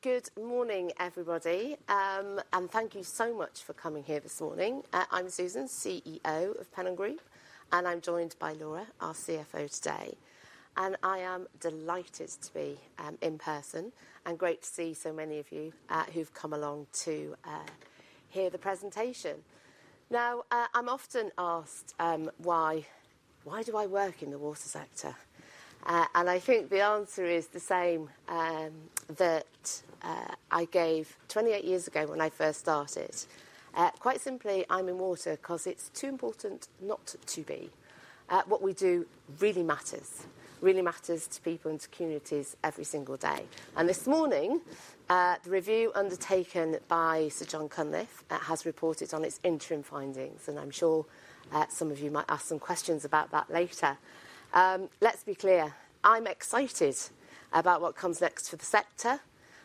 Good morning, everybody, and thank you so much for coming here this morning. I'm Susan, CEO of Pennon Group, and I'm joined by Laura, our CFO, today. I am delighted to be in person and great to see so many of you who've come along to hear the presentation. Now, I'm often asked, why do I work in the Water Sector? I think the answer is the same that I gave 28 years ago when I first started. Quite simply, I'm in Water because it's too important not to be. What we do really matters, really matters to people and to communities every single day. This morning, the review undertaken by Sir Jon Cunliffe has reported on its Interim Findings, and I'm sure some of you might ask some questions about that later. Let's be clear. I'm excited about what comes next for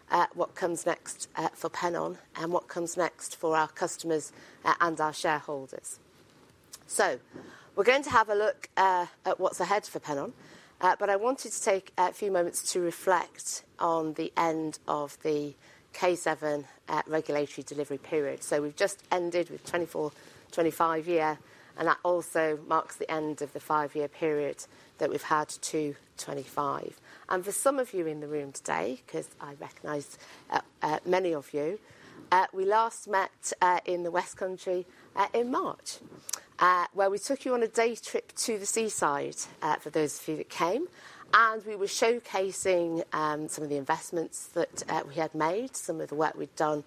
the sector, what comes next for Pennon, and what comes next for our Customers and our Shareholders. We are going to have a look at what's ahead for Pennon, but I wanted to take a few moments to reflect on the end of the K7 Regulatory Delivery Period. We have just ended with a 2024-2025 year, and that also marks the end of the five-year period that we have had to 2025. For some of you in the room today, because I recognize many of you, we last met in the West Country in March, where we took you on a Day Trip to the Seaside for those of you that came. We were showcasing some of the Investments that we had made, some of the work we had done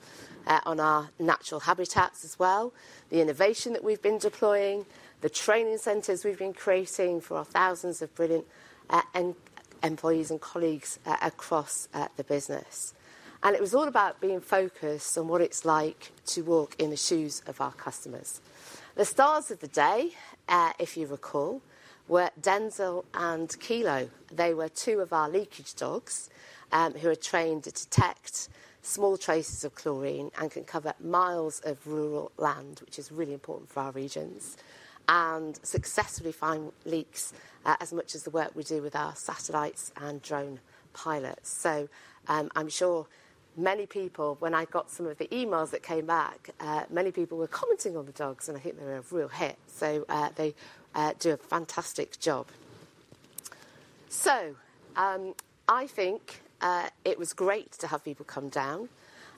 on our Natural Habitats as well, the Innovation that we have been deploying, the Training Centers we have been creating for our thousands of brilliant Employees and Colleagues across the business. It was all about being focused on what it is like to walk in the shoes of our customers. The stars of the day, if you recall, were Denzel and Kilo. They were two of our Leakage Dogs who are trained to detect small traces of Chlorine and can cover miles of Rural Land, which is really important for our regions, and successfully find leaks as much as the work we do with our Satellites and Drone Pilots. I'm sure many people, when I got some of the emails that came back, many people were commenting on the Dogs, and I think they were a real hit. They do a fantastic job. I think it was great to have people come down,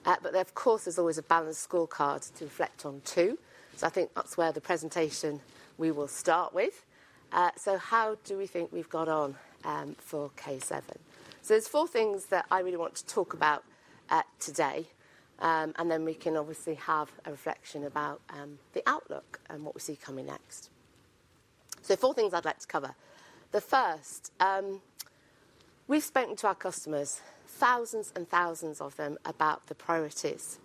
but there, of course, is always a Balanced Scorecard to reflect on too. I think that's where the presentation we will start with. How do we think we've got on for K7? There are four things that I really want to talk about today, and then we can obviously have a reflection about the outlook and what we see coming next. Four things I'd like to cover. The first, we've spoken to our customers, thousands and thousands of them, about the priorities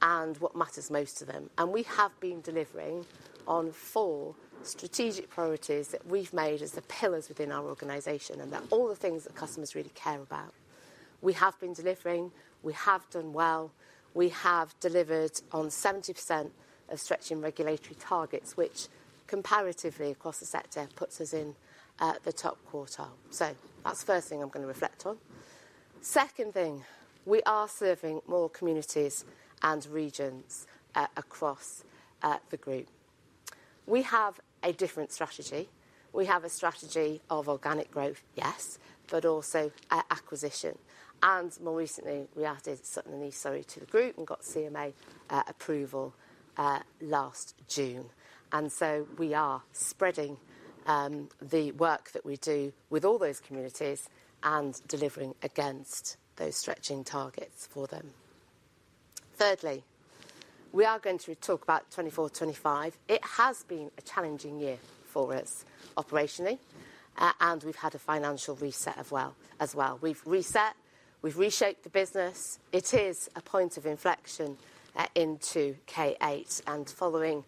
and what matters most to them. We have been delivering on four Strategic Priorities that we have made as the pillars within our organization and that are all the things that customers really care about. We have been delivering. We have done well. We have delivered on 70% of Stretching Regulatory Targets, which comparatively across the sector puts us in the top Quartile. That is the first thing I am going to reflect on. The second thing, we are serving more Communities and Regions across the group. We have a different strategy. We have a strategy of Organic Growth, yes, but also acquisition. More recently, we added SES Water to the group and got CMA Approval last June. We are spreading the work that we do with all those Communities and delivering against those Stretching Targets for them. Thirdly, we are going to talk about 2024-2025. It has been a challenging year for us operationally, and we've had a Financial Reset as well. We've Reset, we've Reshaped the business. It is a Point of Inflection into K8 and following the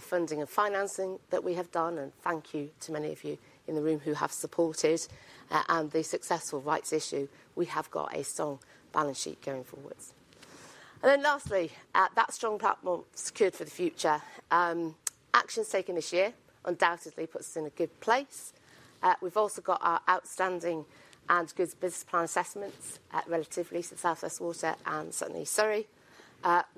Funding and Financing that we have done. Thank you to many of you in the room who have supported and the successful rights issue. We have got a strong Balance Sheet going forwards. Lastly, that strong platform secured for the future. Actions taken this year undoubtedly put us in a good place. We've also got our outstanding and good business plan assessments relative to South West Water and certainly Surrey.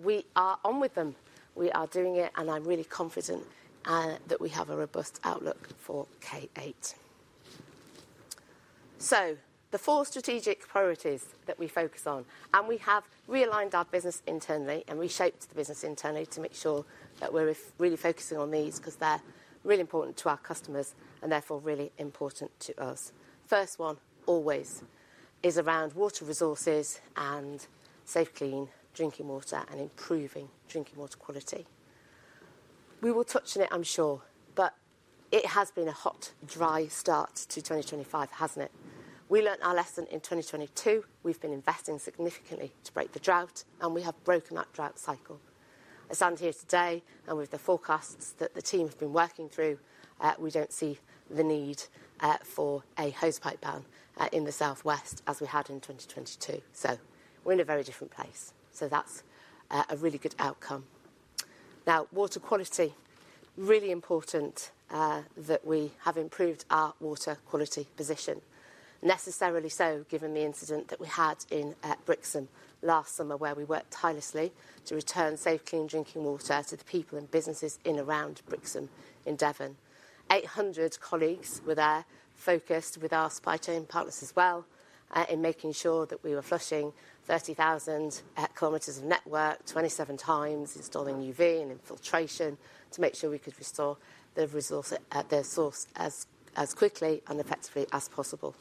We are on with them. We are doing it, and I'm really confident that we have a robust outlook for K8. The four strategic priorities that we focus on, and we have Realigned our business internally and Reshaped the business internally to make sure that we're really focusing on these because they're really important to our customers and therefore really important to us. First one, always, is around Water Resources and Safe, Clean Drinking Water and improving Drinking Water Quality. We will touch on it, I'm sure, but it has been a hot, dry start to 2025, hasn't it? We learned our lesson in 2022. We've been investing significantly to break the drought, and we have broken that drought cycle. As I'm here today and with the forecasts that the team have been working through, we don't see the need for a hosepipe ban in the Southwest as we had in 2022. We're in a very different place. That's a really good outcome. Now, Water Quality, really important that we have improved our Water Quality position. Necessarily so, given the incident that we had in Brixham last summer where we worked tirelessly to return safe, clean Drinking Water to the people and businesses in and around Brixham in Devon. Eight hundred colleagues were there focused with our Supply Chain Partners as well in making sure that we were flushing 30,000 km of network 27 times, installing UV and Filtration to make sure we could restore the resource as quickly and effectively as possible.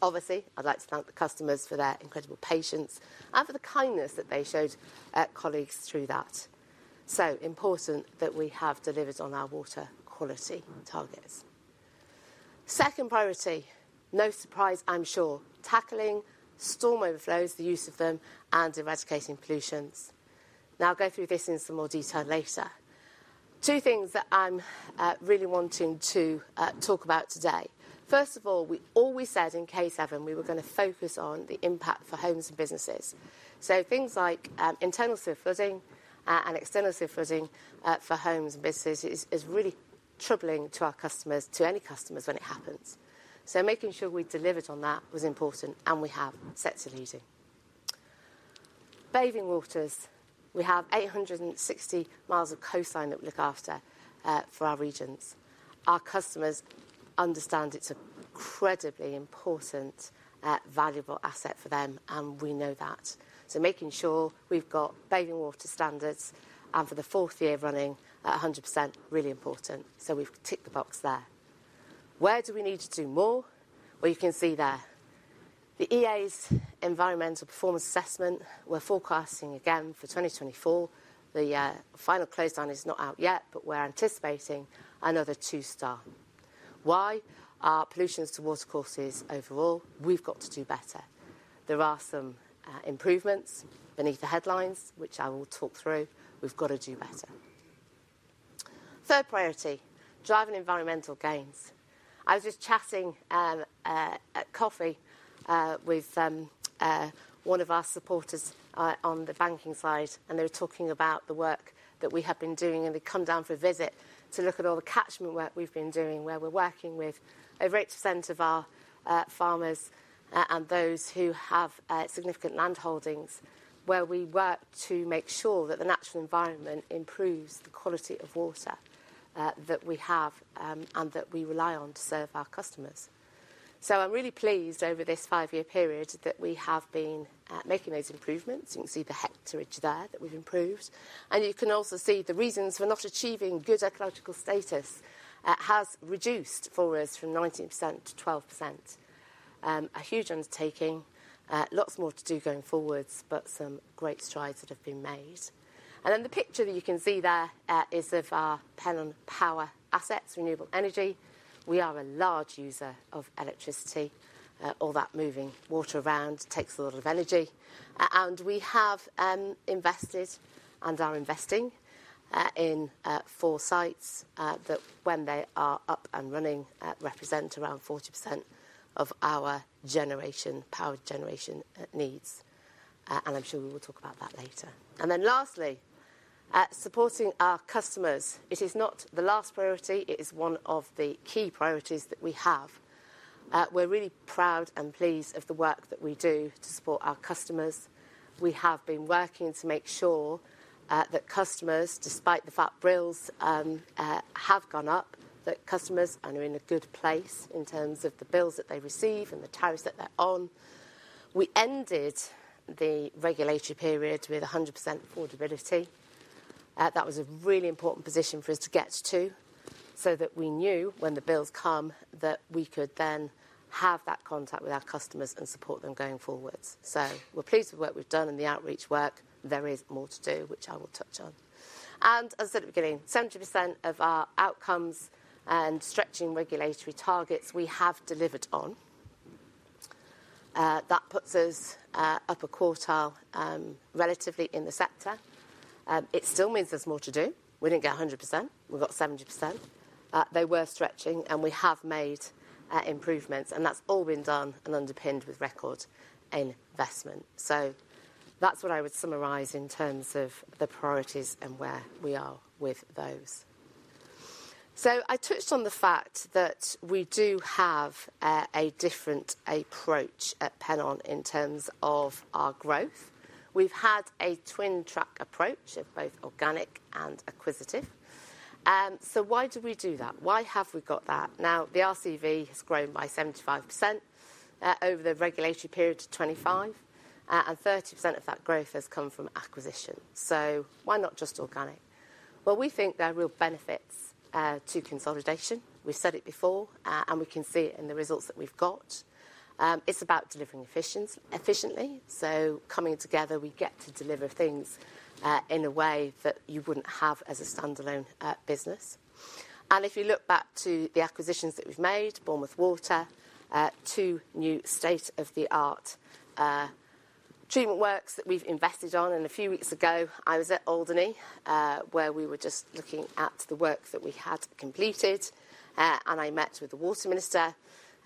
Obviously, I'd like to thank the customers for their incredible patience and for the kindness that they showed colleagues through that. It is so important that we have delivered on our Water Quality targets. Second priority, no surprise, I'm sure, tackling Storm Overflows, the use of them, and eradicating pollutions. I will go through this in some more detail later. Two things that I'm really wanting to talk about today. First of all, we always said in K7 we were going to focus on the impact for Homes and Businesses. Things like Internal Sewer Flooding and External Sewer Flooding for homes and businesses is really troubling to our customers, to any customers when it happens. Making sure we delivered on that was important, and we have set to leading. Bathing Waters, we have 860 miles of coastline that we look after for our regions. Our customers understand it's an incredibly important, valuable asset for them, and we know that. Making sure we've got Bathing Water standards for the fourth year running at 100% is really important. We've ticked the box there. Where do we need to do more? You can see there. The EA's Environmental Performance Assessment, we're forecasting again for 2024. The final close down is not out yet, but we're anticipating another two-star. Why? Our pollution to water courses overall, we've got to do better. There are some improvements beneath the headlines, which I will talk through. We've got to do better. Third priority, driving Environmental Gains. I was just chatting at Coffee with one of our supporters on the Banking Side, and they were talking about the work that we have been doing. They come down for a visit to look at all the Catchment Work we've been doing, where we're working with a great % of our Farmers and those who have significant Land Holdings, where we work to make sure that the natural environment improves the quality of Water that we have and that we rely on to serve our customers. I'm really pleased over this five-year period that we have been making those improvements. You can see the hectarage there that we've improved. You can also see the reasons for not achieving good ecological status has reduced for us from 19% to 12%. A huge undertaking, lots more to do going forwards, but some great strides that have been made. The picture that you can see there is of our Pennon Power Assets, Renewable Energy. We are a large user of Electricity. All that moving water around takes a lot of energy. We have invested and are investing in four sites that when they are up and running represent around 40% of our generation, Power Generation needs. I'm sure we will talk about that later. Lastly, supporting our customers. It is not the last priority. It is one of the key priorities that we have. We're really proud and pleased of the work that we do to support our customers. We have been working to make sure that customers, despite the Fact Bills have gone up, that customers are in a good place in terms of the bills that they receive and the tariffs that they're on. We ended the Regulatory Period with 100% affordability. That was a really important position for us to get to so that we knew when the bills come that we could then have that contact with our customers and support them going forwards. We're pleased with the work we've done and the outreach work. There is more to do, which I will touch on. As I said at the beginning, 70% of our outcomes and Stretching Regulatory Targets we have delivered on. That puts us up a quartile relatively in the sector. It still means there's more to do. We didn't get 100%. We got 70%. They were stretching, and we have made improvements. That's all been done and underpinned with record investment. That's what I would summarize in terms of the priorities and where we are with those. I touched on the fact that we do have a different approach at Pennon in terms of our growth. We've had a twin-track approach of both Organic and Acquisitive. Why do we do that? Why have we got that? Now, the RCV has grown by 75% over the Regulatory Period to 2025, and 30% of that growth has come from Acquisition. Why not just Organic? We think there are real benefits to consolidation. We've said it before, and we can see it in the results that we've got. It's about delivering efficiently. Coming together, we get to deliver things in a way that you would not have as a standalone business. If you look back to the acquisitions that we have made, Bournemouth Water, two new state-of-the-art treatment works that we have invested on. A few weeks ago, I was at Alderney where we were just looking at the work that we had completed. I met with the Water Minister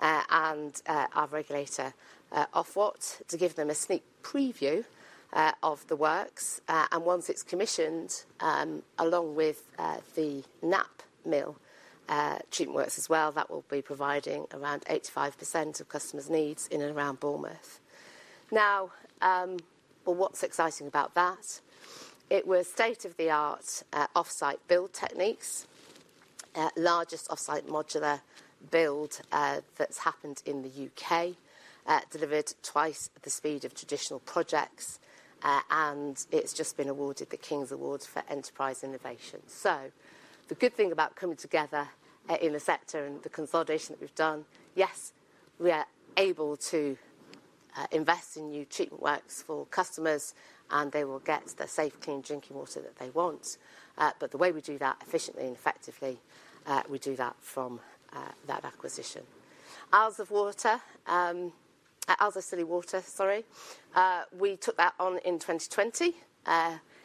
and our regulator Ofwat to give them a sneak preview of the works. Once it is commissioned, along with the Knapp Mil Treatment works as well, that will be providing around 85% of customers' needs in and around Bournemouth. What is exciting about that is it was state-of-the-art off-site build techniques, the largest off-site Modular build that has happened in the U.K., delivered at twice the speed of Traditional Projects, and it has just been awarded the King's Award for Enterprise Innovation. The good thing about coming together in the sector and the consolidation that we have done, yes, we are able to invest in New Treatment Works for customers, and they will get the Safe Clean Drinking Water that they want. The way we do that efficiently and effectively, we do that from that acquisition. Ours of water, Isles of Scilly water, sorry. We took that on in 2020.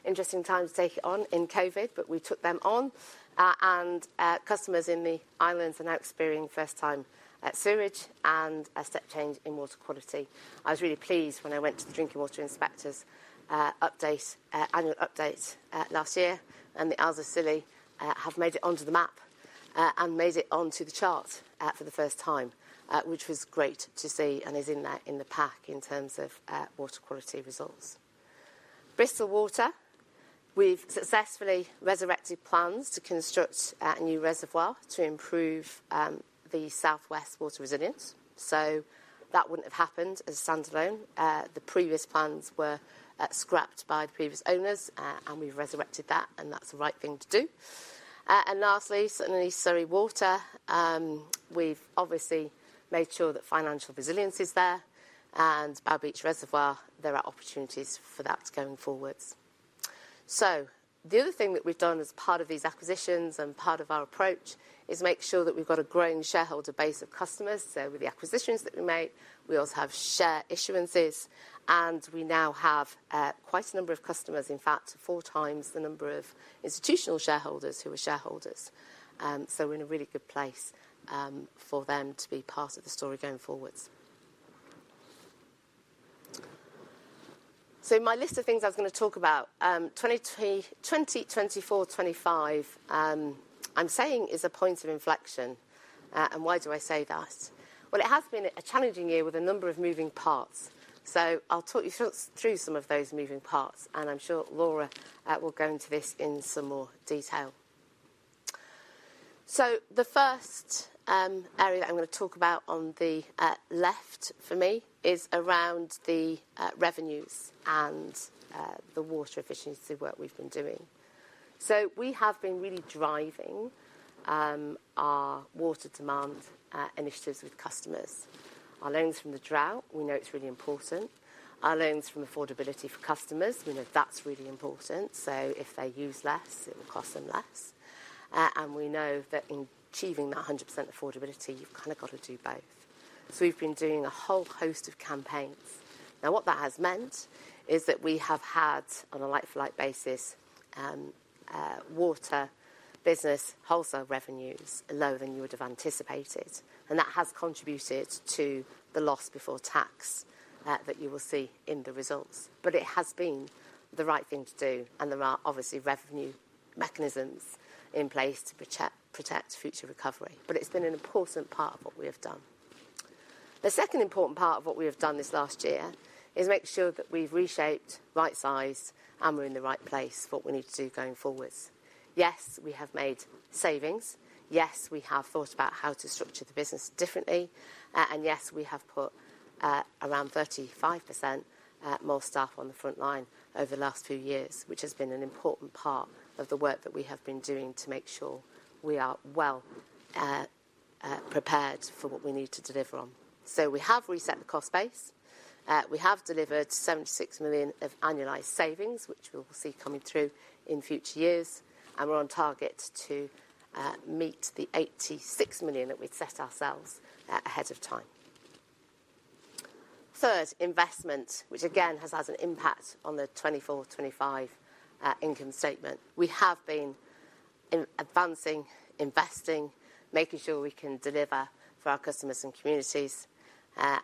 Interesting time to take it on in COVID, but we took them on. Customers in the islands are now experiencing first-time sewage and a step change in Water Quality. I was really pleased when I went to the Drinking Water Inspectorate's Annual Update last year, and the Isles of Scilly have made it onto the map and made it onto the chart for the first time, which was great to see and is in there in the pack in terms of Water Quality Results. Bristol Water, we've successfully resurrected plans to construct a new Reservoir to improve the South West Water Resilience. That would not have happened as a standalone. The previous plans were scrapped by the previous owners, and we've resurrected that, and that's the right thing to do. Lastly, certainly SES Water, we've obviously made sure that Financial Resilience is there. Our Beach Reservoir, there are opportunities for that going forwards. The other thing that we've done as part of these Acquisitions and part of our approach is make sure that we've got a growing Shareholder base of customers. With the Acquisitions that we made, we also have Share Issuances, and we now have quite a number of customers, in fact, four times the number of Institutional Shareholders who are Shareholders. We're in a really good place for them to be part of the story going forwards. My list of things I was going to talk about, 2024-2025, I'm saying is a Point of Inflection. Why do I say that? It has been a challenging year with a number of moving parts. I'll talk you through some of those moving parts, and I'm sure Laura will go into this in some more detail. The first area that I'm going to talk about on the left for me is around the Revenues and the Water Efficiency work we've been doing. We have been really driving our Water demand Initiatives with customers. Our learnings from the drought, we know it's really important. Our learnings from affordability for customers, we know that's really important. If they use less, it will cost them less. We know that in achieving that 100% affordability, you've kind of got to do both. We've been doing a whole host of campaigns. What that has meant is that we have had, on a like-for-like basis, Water Business Wholesale Revenues lower than you would have anticipated. That has contributed to the loss before tax that you will see in the results. It has been the right thing to do, and there are obviously revenue mechanisms in place to protect Future Recovery. It has been an important part of what we have done. The second important part of what we have done this last year is make sure that we've reshaped, right-sized, and we're in the right place for what we need to do going forwards. Yes, we have made savings. Yes, we have thought about how to structure the business differently. Yes, we have put around 35% more staff on the front line over the last few years, which has been an important part of the work that we have been doing to make sure we are well prepared for what we need to deliver on. We have reset the Cost Base. We have delivered 76 million of Annualized Savings, which we will see coming through in future years. We are on target to meet the 86 million that we have set ourselves ahead of time. Third, investment, which again has had an impact on the 2024-2025 Income Statement. We have been Advancing, Investing, making sure we can deliver for our Customers and Communities. That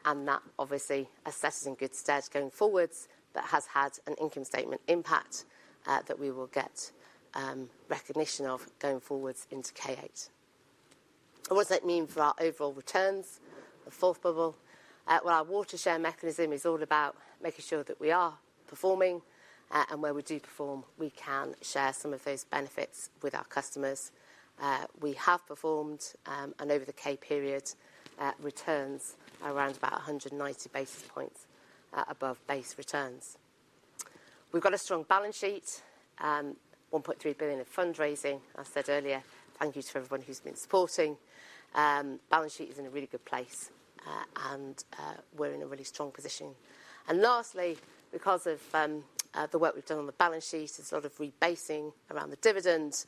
obviously is setting in good stead going forwards. That has had an Income Statement impact that we will get recognition of going forwards into K8. What does that mean for our overall returns? The fourth bubble. Our Water Share Mechanism is all about making sure that we are performing. Where we do perform, we can share some of those benefits with our customers. We have performed, and over the K-period, returns are around about 190 basis points above base returns. We've got a strong Balance Sheet, 1.3 billion of fundraising. I said earlier, thank you to everyone who's been supporting. Balance Sheet is in a really good place, and we're in a really strong position. Lastly, because of the work we've done on the Balance Sheet, there's a lot of rebasing around the dividends.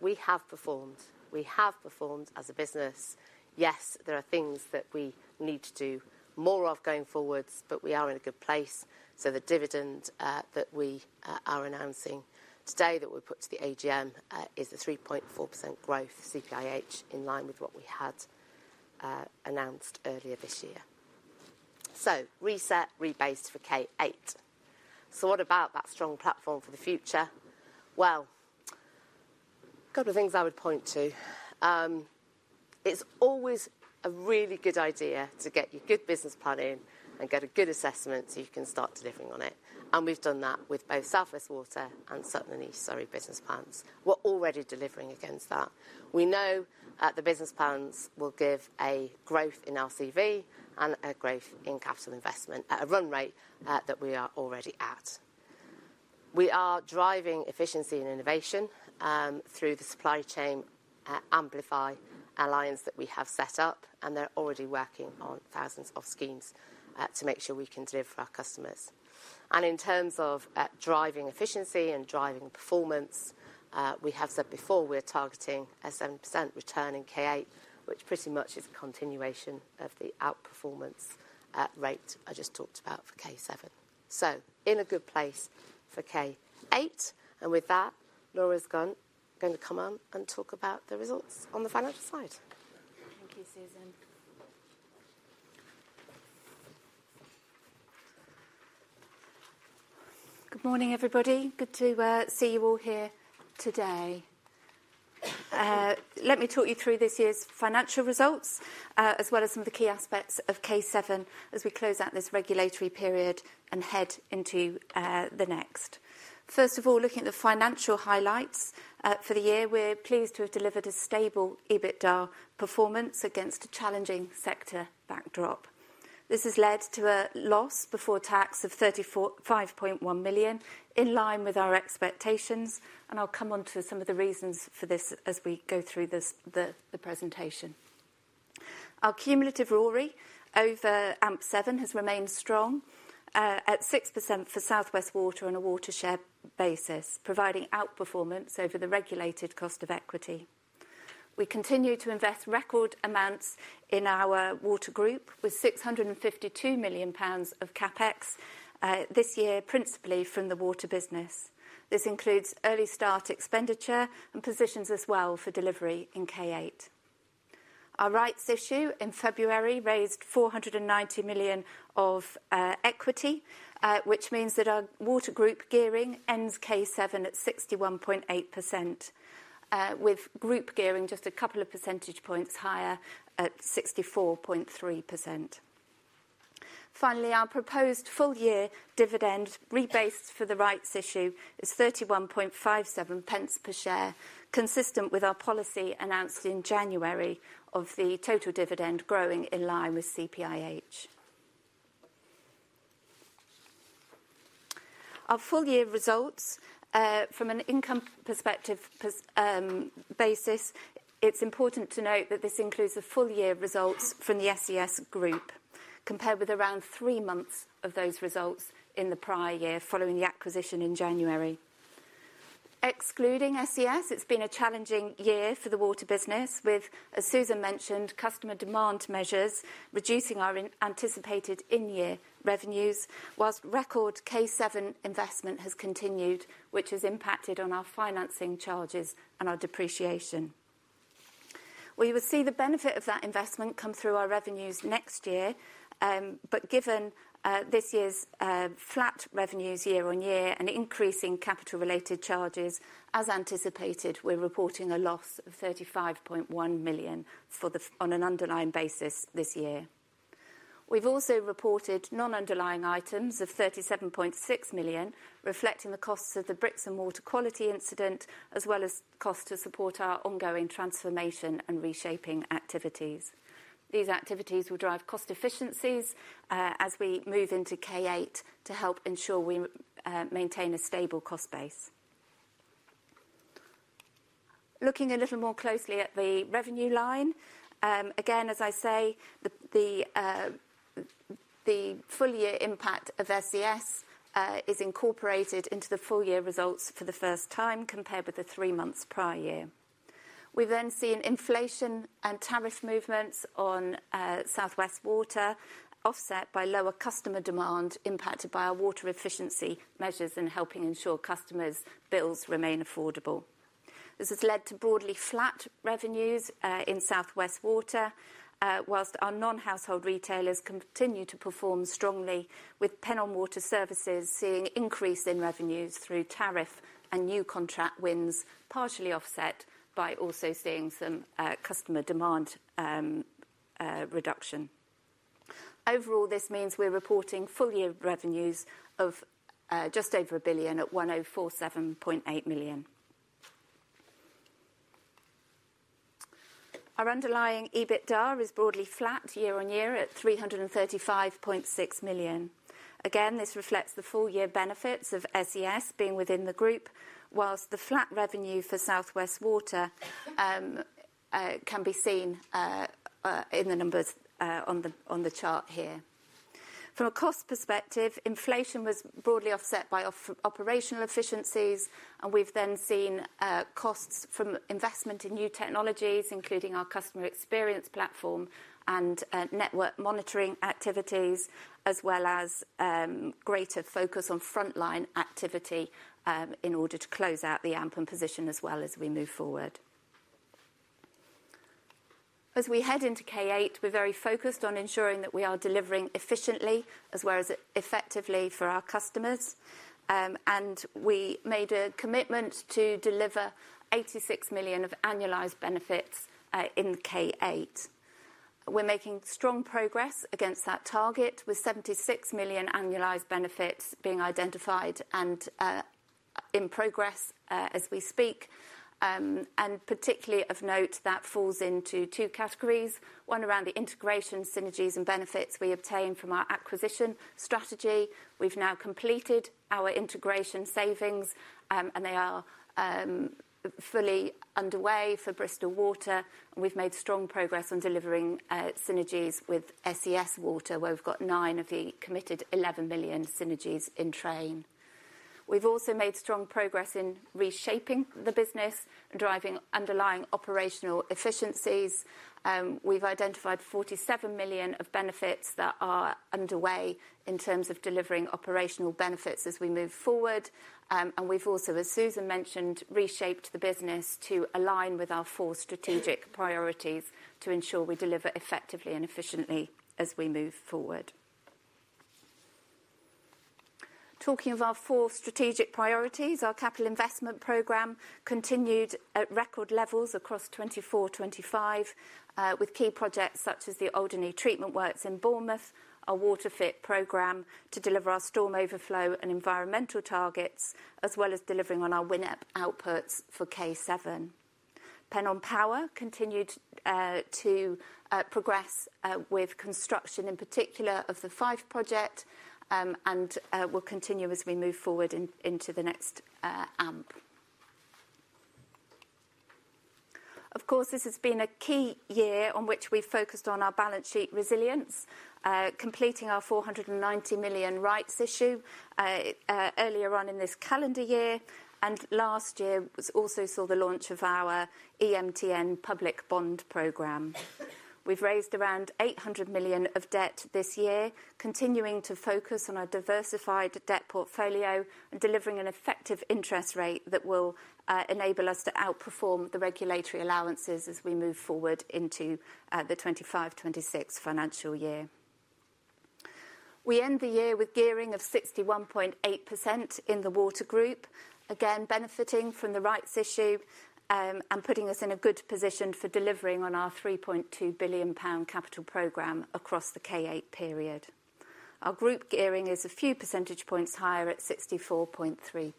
We have performed. We have performed as a business. Yes, there are things that we need to do more of going forwards, but we are in a good place. The dividend that we are announcing today that we've put to the AGM is a 3.4% growth CPIH in line with what we had announced earlier this year. Reset, Rebased for K8. What about that Strong Platform for the future? A couple of things I would point to. It's always a really good idea to get your good business plan in and get a good assessment so you can start delivering on it. We've done that with both South West Water and certainly Surrey business plans. We're already delivering against that. We know the business plans will give a growth in our RCV and a growth in Capital Investment at a Run Rate that we are already at. We are driving Efficiency and Innovation through the Supply Chain Amplify Alliance that we have set up, and they're already working on thousands of schemes to make sure we can deliver for our customers. In terms of Driving Efficiency and Driving Performance, we have said before we're targeting a 7% return in K8, which pretty much is a continuation of the outperformance rate I just talked about for K7. In a good place for K8. With that, Laura's going to come on and talk about the results on the Financial Side. Thank you, Susan. Good morning, everybody. Good to see you all here today. Let me talk you through this year's Financial Results, as well as some of the Key Aspects of K7 as we close out this Regulatory Period and head into the next. First of all, looking at the financial highlights for the year, we're pleased to have delivered a stable EBITDA Performance against a challenging sector backdrop. This has led to a loss before tax of 35.1 million in line with our expectations. I'll come on to some of the reasons for this as we go through the presentation. Our Cumulative RORE over AMP7 has remained strong at 6% for South West Water on a Water Share basis, providing outperformance over the regulated Cost of Equity. We continue to invest record amounts in our Water Group with 652 million pounds of CapEx this year, principally from the Water Business. This includes early start Expenditure and positions us well for delivery in K8. Our rights issue in February raised 490 million of Equity, which means that our Water Group Gearing ends K7 at 61.8%, with Group Gearing just a couple of percentage points higher at 64.3%. Finally, our proposed full-year dividend rebased for the rights issue is 31.57 pence per share, consistent with our policy announced in January of the total dividend growing in line with CPIH. Our full-year results from an income perspective basis, it's important to note that this includes the full-year results from the ses Water Group, compared with around three months of those results in the prior year following the acquisition in January. Excluding SES, it's been a challenging year for the Water Business, with, as Susan mentioned, customer demand measures reducing our anticipated in-year revenues, whilst record K7 investment has continued, which has impacted on our financing charges and our depreciation. We will see the benefit of that investment come through our revenues next year. Given this year's Flat Revenues year on year and increasing capital-related charges, as anticipated, we're reporting a loss of 35.1 million on an underlying basis this year. We've also reported non-underlying items of 37.6 million, reflecting the costs of the Brixham Water Quality incident, as well as costs to support our ongoing transformation and reshaping activities. These activities will drive cost efficiencies as we move into K8 to help ensure we maintain a stable Cost Base. Looking a little more closely at the revenue line, again, as I say, the full-year impact of SES is incorporated into the full-year results for the first time compared with the three months prior year. We then see an inflation and tariff movements on South West Water offset by lower customer demand impacted by our Water Efficiency measures and helping ensure customers' bills remain affordable. This has led to broadly Flat Revenues in South West Water, whilst our non-household retailers continue to perform strongly, with Pennon Water Services seeing an increase in revenues through tariff and new contract wins partially offset by also seeing some customer demand reduction. Overall, this means we're reporting full-year revenues of just over 1 billion at 1,047.8 million. Our Underlying EBITDA is broadly flat year on year at 335.6 million. Again, this reflects the full-year benefits of SES being within the group, whilst the Flat Revenue for South West Water can be seen in the numbers on the chart here. From a cost perspective, inflation was broadly offset by Operational Efficiencies, and we have then seen costs from investment in new Technologies, including our Customer Experience Platform and Network Monitoring Activities, as well as greater focus on frontline activity in order to close out the AMP position as well as we move forward. As we head into K8, we are very focused on ensuring that we are delivering efficiently as well as effectively for our customers. We made a commitment to deliver 86 million of annualised benefits in K8. We are making strong progress against that target, with 76 million annualised benefits being identified and in progress as we speak. Particularly of note, that falls into two categories. One around the Integration Synergies and Benefits we obtained from our Acquisition Strategy. We've now completed ourIntegration Savings, and they are fully underway for Bristol Water. We've made strong progress on delivering Synergies with SES Water, where we've got nine of the committed 11 million Synergies in train. We've also made strong progress in reshaping the business and driving underlying Operational Efficiencies. We've identified 47 million of benefits that are underway in terms of delivering operational benefits as we move forward. We've also, as Susan mentioned, reshaped the business to align with our four Strategic Priorities to ensure we deliver effectively and efficiently as we move forward. Talking of our four Strategic Priorities, our Capital Investment Program continued at record levels across 2024-2025, with key projects such as the Alderney Treatment Works in Bournemouth, our WaterFit Program to deliver our storm overflow and environmental targets, as well as delivering on our win outputs for K7. Pennon Power continued to progress with construction, in particular of the Fife project, and will continue as we move forward into the next AMP. Of course, this has been a key year on which we've focused on our Balance Sheet resilience, completing our 490 million rights issue earlier on in this calendar year. Last year also saw the launch of our EMTN Public Bond Program. We've raised around 800 million of debt this year, continuing to focus on our diversified Debt Portfolio and delivering an effective Interest Rate that will enable us to outperform the Regulatory Allowances as we move forward into the 2025-2026 Financial Year. We end the year with Gearing of 61.8% in the Water Group, again benefiting from the rights issue and putting us in a good position for delivering on our 3.2 billion pound capital program across the K8 period. Our Group Gearing is a few percentage points higher at 64.3%.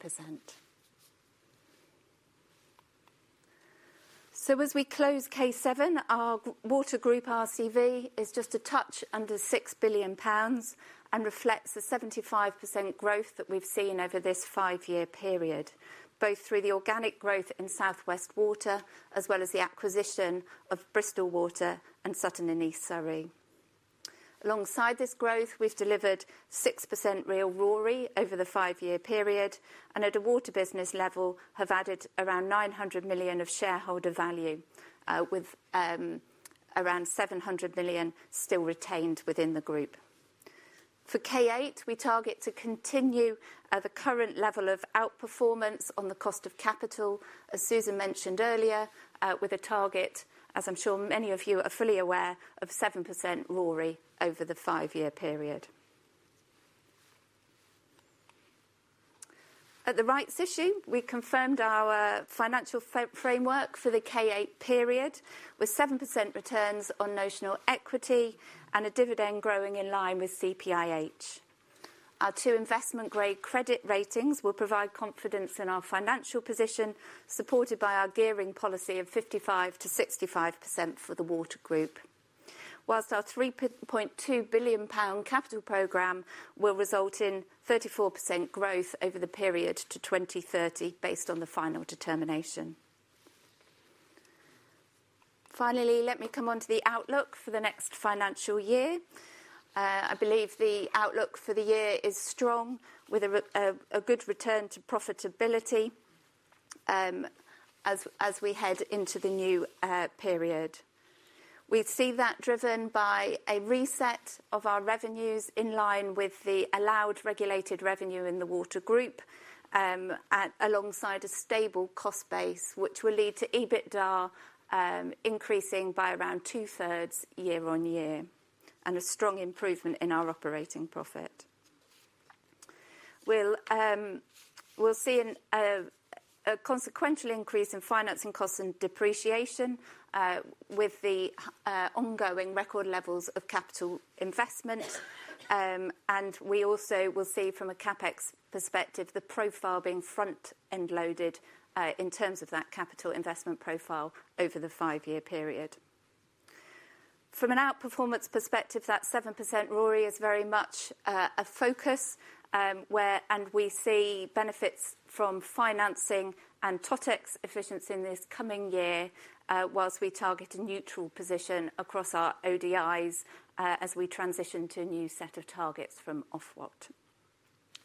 As we close K7, our Water Group RCV is just a touch under 6 billion pounds and reflects the 75% growth that we've seen over this five-year period, both through the Organic Growth in South West Water as well as the acquisition of Bristol Water and SES Water. Alongside this growth, we've delivered 6% real RORE over the five-year period and at a Water Business level have added around 900 million of Shareholder Value, with around 700 million still retained within the group. For K8, we target to continue the current level of outperformance on the cost of capital, as Susan mentioned earlier, with a target, as I'm sure many of you are fully aware, of 7% RORE over the five-year period. At the rights issue, we confirmed our financial framework for the K8 period with 7% returns on Notional Equity and a dividend growing in line with CPIH. Our two investment-grade credit ratings will provide confidence in our Financial Position, supported by our Gearing Policy of 55%-65% for the Water Group, whilst our 3.2 billion pound capital program will result in 34% growth over the period to 2030, based on the final determination. Finally, let me come on to the outlook for the next Financial Year. I believe the outlook for the year is strong, with a good return to profitability as we head into the new period. We see that driven by a reset of our revenues in line with the allowed regulated revenue in the Water Group, alongside a stable Cost Base, which will lead to EBITDA increasing by around two-thirds year on year and a strong improvement in our operating profit. We will see a consequential increase in Financing Costs and depreciation with the ongoing record levels of capital investment. We also will see, from a CapEx perspective, the profile being front-end loaded in terms of that Capital Investment Profile over the five-year period. From an outperformance perspective, that 7% RORE is very much a focus, and we see benefits from financing and totex efficiency in this coming year, whilst we target a neutral position across our ODIs as we transition to a new set of targets from Ofwat.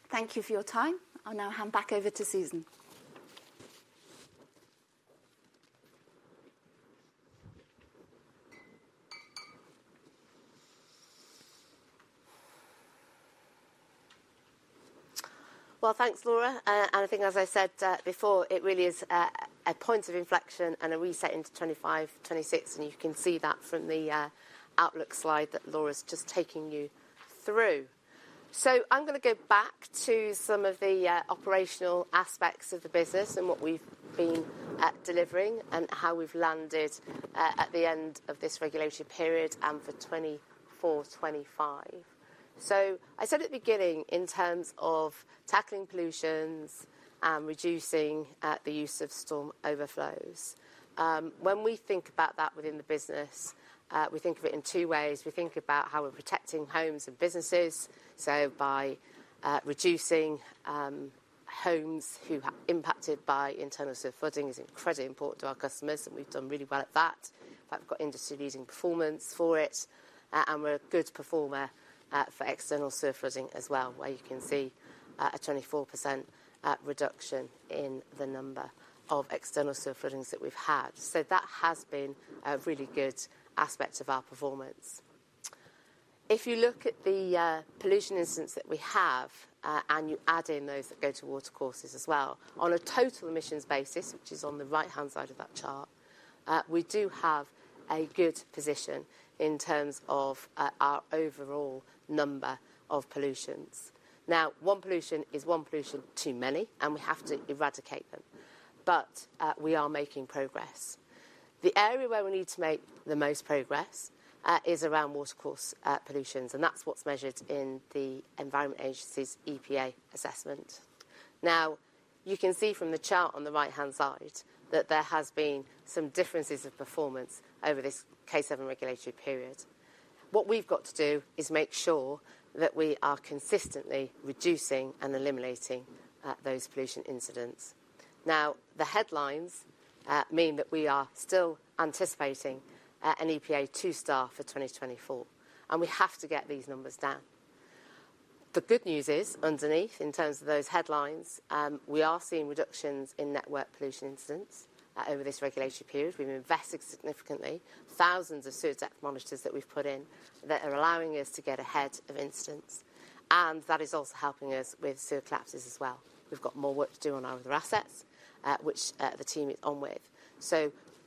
Thank you for your time. I'll now hand back over to Susan. Thank you, Laura. I think, as I said before, it really is a point of inflection and a reset into 2025-2026. You can see that from the outlook slide that Laura's just taken you through. I'm going to go back to some of the operational aspects of the business and what we've been delivering and how we've landed at the end of this Regulatory Period and for 2024-2025. I said at the beginning, in terms of tackling pollutions and reducing the use of Storm Overflows, when we think about that within the business, we think of it in two ways. We think about how we're protecting homes and businesses, so by reducing homes who are impacted by Internal Sewer Flooding is incredibly important to our customers, and we've done really well at that. In fact, we've got industry-leading performance for it, and we're a good performer for External Sewer Flooding as well, where you can see a 24% reduction in the number of External Sewer Floodings that we've had. That has been a really good aspect of our performance. If you look at the pollution incidents that we have and you add in those that go to water courses as well, on a total emissions basis, which is on the right-hand side of that chart, we do have a good position in terms of our overall number of pollutions. Now, one pollution is one pollution too many, and we have to eradicate them. We are making progress. The area where we need to make the most progress is around water course pollutions, and that is what is measured in the Environment Agency's EPA Assessment. You can see from the chart on the right-hand side that there have been some differences of performance over this K7 Regulatory Period. What we have got to do is make sure that we are consistently reducing and eliminating those pollution incidents. Now, the headlines mean that we are still anticipating an EPA two-star for 2024, and we have to get these numbers down. The good news is, underneath, in terms of those headlines, we are seeing reductions in network pollution incidents over this Regulatory Period. We've invested significantly. Thousands of Sewer Tech monitors that we've put in that are allowing us to get ahead of incidents. That is also helping us with sewer collapses as well. We've got more work to do on our other assets, which the team is on with.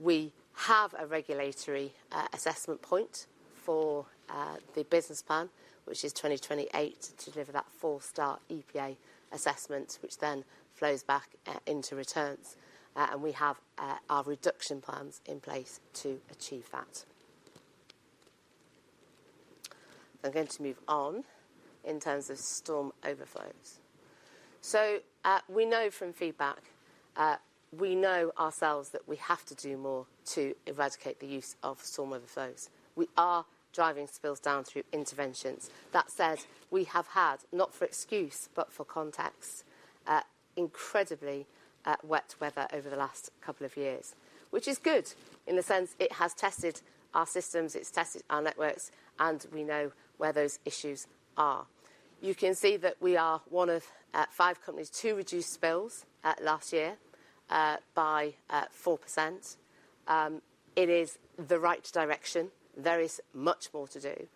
We have a Regulatory Assessment Point for the business plan, which is 2028, to deliver that four-star EPA Assessment, which then flows back into returns. We have our reduction plans in place to achieve that. I'm going to move on in terms of Storm Overflows. We know from feedback, we know ourselves that we have to do more to eradicate the use of Storm Overflows. We are driving spills down through interventions. That said, we have had, not for excuse, but for context, incredibly wet weather over the last couple of years, which is good in the sense it has tested our systems, it has tested our networks, and we know where those issues are. You can see that we are one of five companies to reduce spills last year by 4%. It is the right direction. There is much more to do.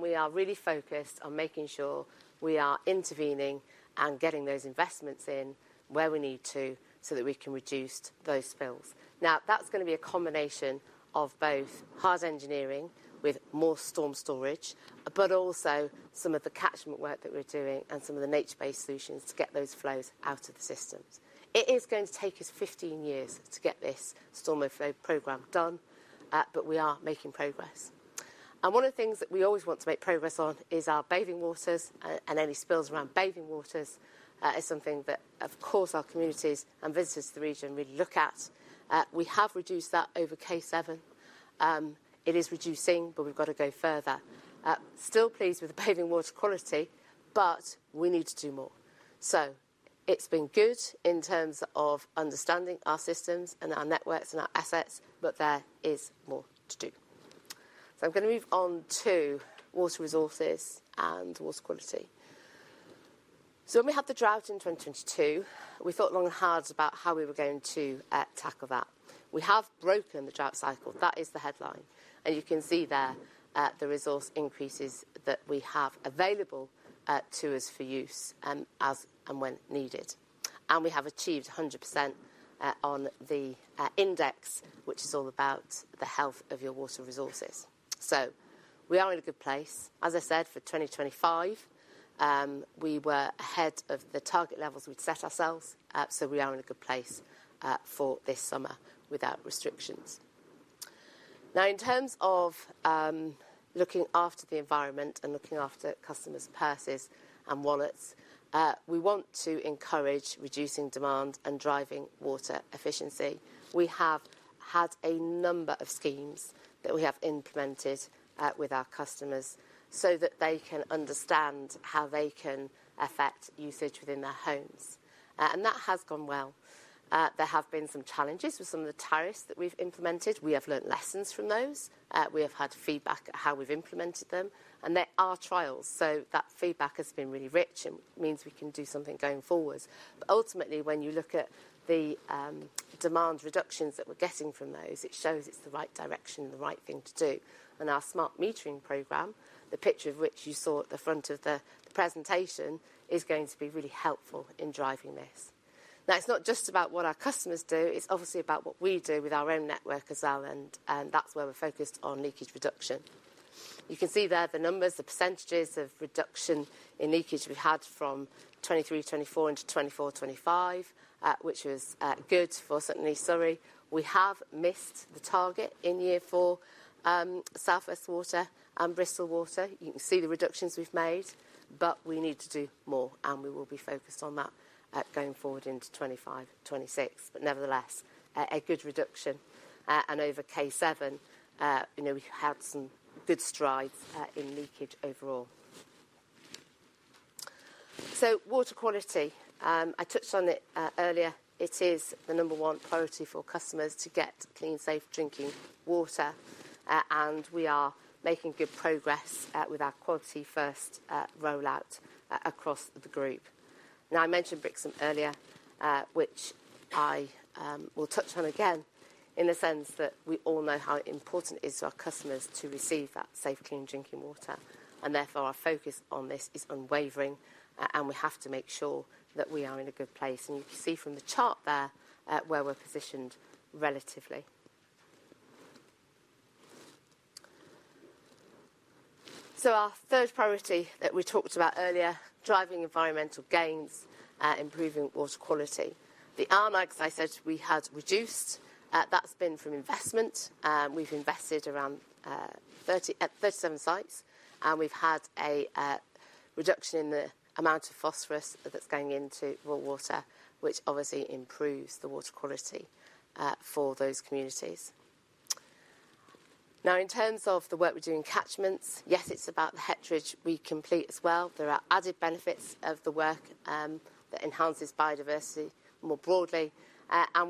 We are really focused on making sure we are intervening and getting those investments in where we need to so that we can reduce those spills. Now, that's going to be a combination of both Hard Engineering with more Storm Storage, but also some of the Catchment Work that we're doing and some of the nature-based solutions to get those flows out of the systems. It is going to take us 15 years to get this storm overflow program done, but we are making progress. One of the things that we always want to make progress on is our Bathing Waters, and any spills around Bathing Waters is something that, of course, our communities and visitors to the region really look at. We have reduced that over K7. It is reducing, but we've got to go further. Still pleased with the bathing Water Quality, but we need to do more. It has been good in terms of understanding our systems and our networks and our assets, but there is more to do. I'm going to move on to Water Resources and Water Quality. When we had the drought in 2022, we thought long and hard about how we were going to tackle that. We have broken the drought cycle. That is the headline. You can see there the resource increases that we have available to us for use and when needed. We have achieved 100% on the index, which is all about the health of your Water Resources. We are in a good place. As I said, for 2025, we were ahead of the target levels we'd set ourselves. We are in a good place for this summer without restrictions. Now, in terms of looking after the environment and looking after customers' purses and wallets, we want to encourage reducing demand and driving Water Efficiency. We have had a number of schemes that we have implemented with our customers so that they can understand how they can affect usage within their homes. That has gone well. There have been some challenges with some of the tariffs that we've implemented. We have learned lessons from those. We have had feedback at how we've implemented them. There are trials. That feedback has been really rich and means we can do something going forward. Ultimately, when you look at the demand reductions that we're getting from those, it shows it's the right direction and the right thing to do. Our smart metering program, the picture of which you saw at the front of the presentation, is going to be really helpful in driving this. Now, it's not just about what our customers do. It's obviously about what we do with our own network as well. That's where we're focused on leakage reduction. You can see there the numbers, the % of reduction in leakage we've had from 2023-2024 into 2024-2025, which was good for certainly Surrey. We have missed the target in year four, South West Water and Bristol Water. You can see the reductions we've made, but we need to do more. We will be focused on that going forward into 2025-2026. Nevertheless, a good reduction. Over K7, we've had some good strides in leakage overall. Water Quality, I touched on it earlier. It is the number one priority for customers to get clean, safe Drinking Water. We are making good progress with our quality-first rollout across the group. Now, I mentioned Brixham earlier, which I will touch on again in the sense that we all know how important it is to our customers to receive that safe, clean Drinking Water. Our focus on this is unwavering. We have to make sure that we are in a good place. You can see from the chart there where we are positioned relatively. Our third priority that we talked about earlier, driving environmental gains, improving Water Quality. The RMAC, as I said, we had reduced. That has been from investment. We have invested around 37 sites. We have had a reduction in the amount of Phosphorus that is going into Raw Water, which obviously improves the Water Quality for those communities. In terms of the work we do in Catchments, yes, it is about the heterogeneity we complete as well. There are added benefits of the work that enhances Biodiversity more broadly.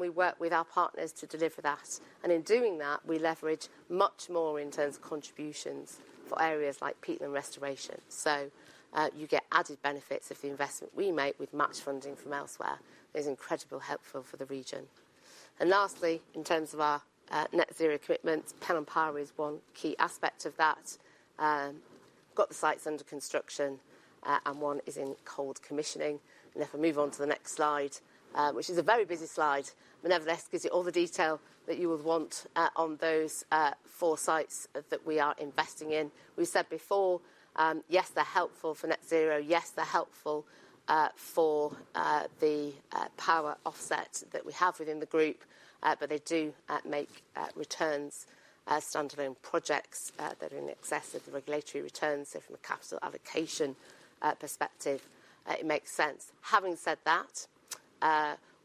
We work with our partners to deliver that. In doing that, we leverage much more in terms of contributions for areas like Peatland Restoration. You get added benefits of the investment we make with much funding from elsewhere. It is incredibly helpful for the region. Lastly, in terms of our net zero commitments, Pennon Power is one key aspect of that. We have got the sites under construction, and one is in cold commissioning. If I move on to the next slide, which is a very busy slide, it nevertheless gives you all the detail that you would want on those four sites that we are investing in. We said before, yes, they are helpful for net zero. Yes, they're helpful for the power offset that we have within the group, but they do make returns as standalone projects that are in excess of the regulatory returns. From a Capital Allocation perspective, it makes sense. Having said that,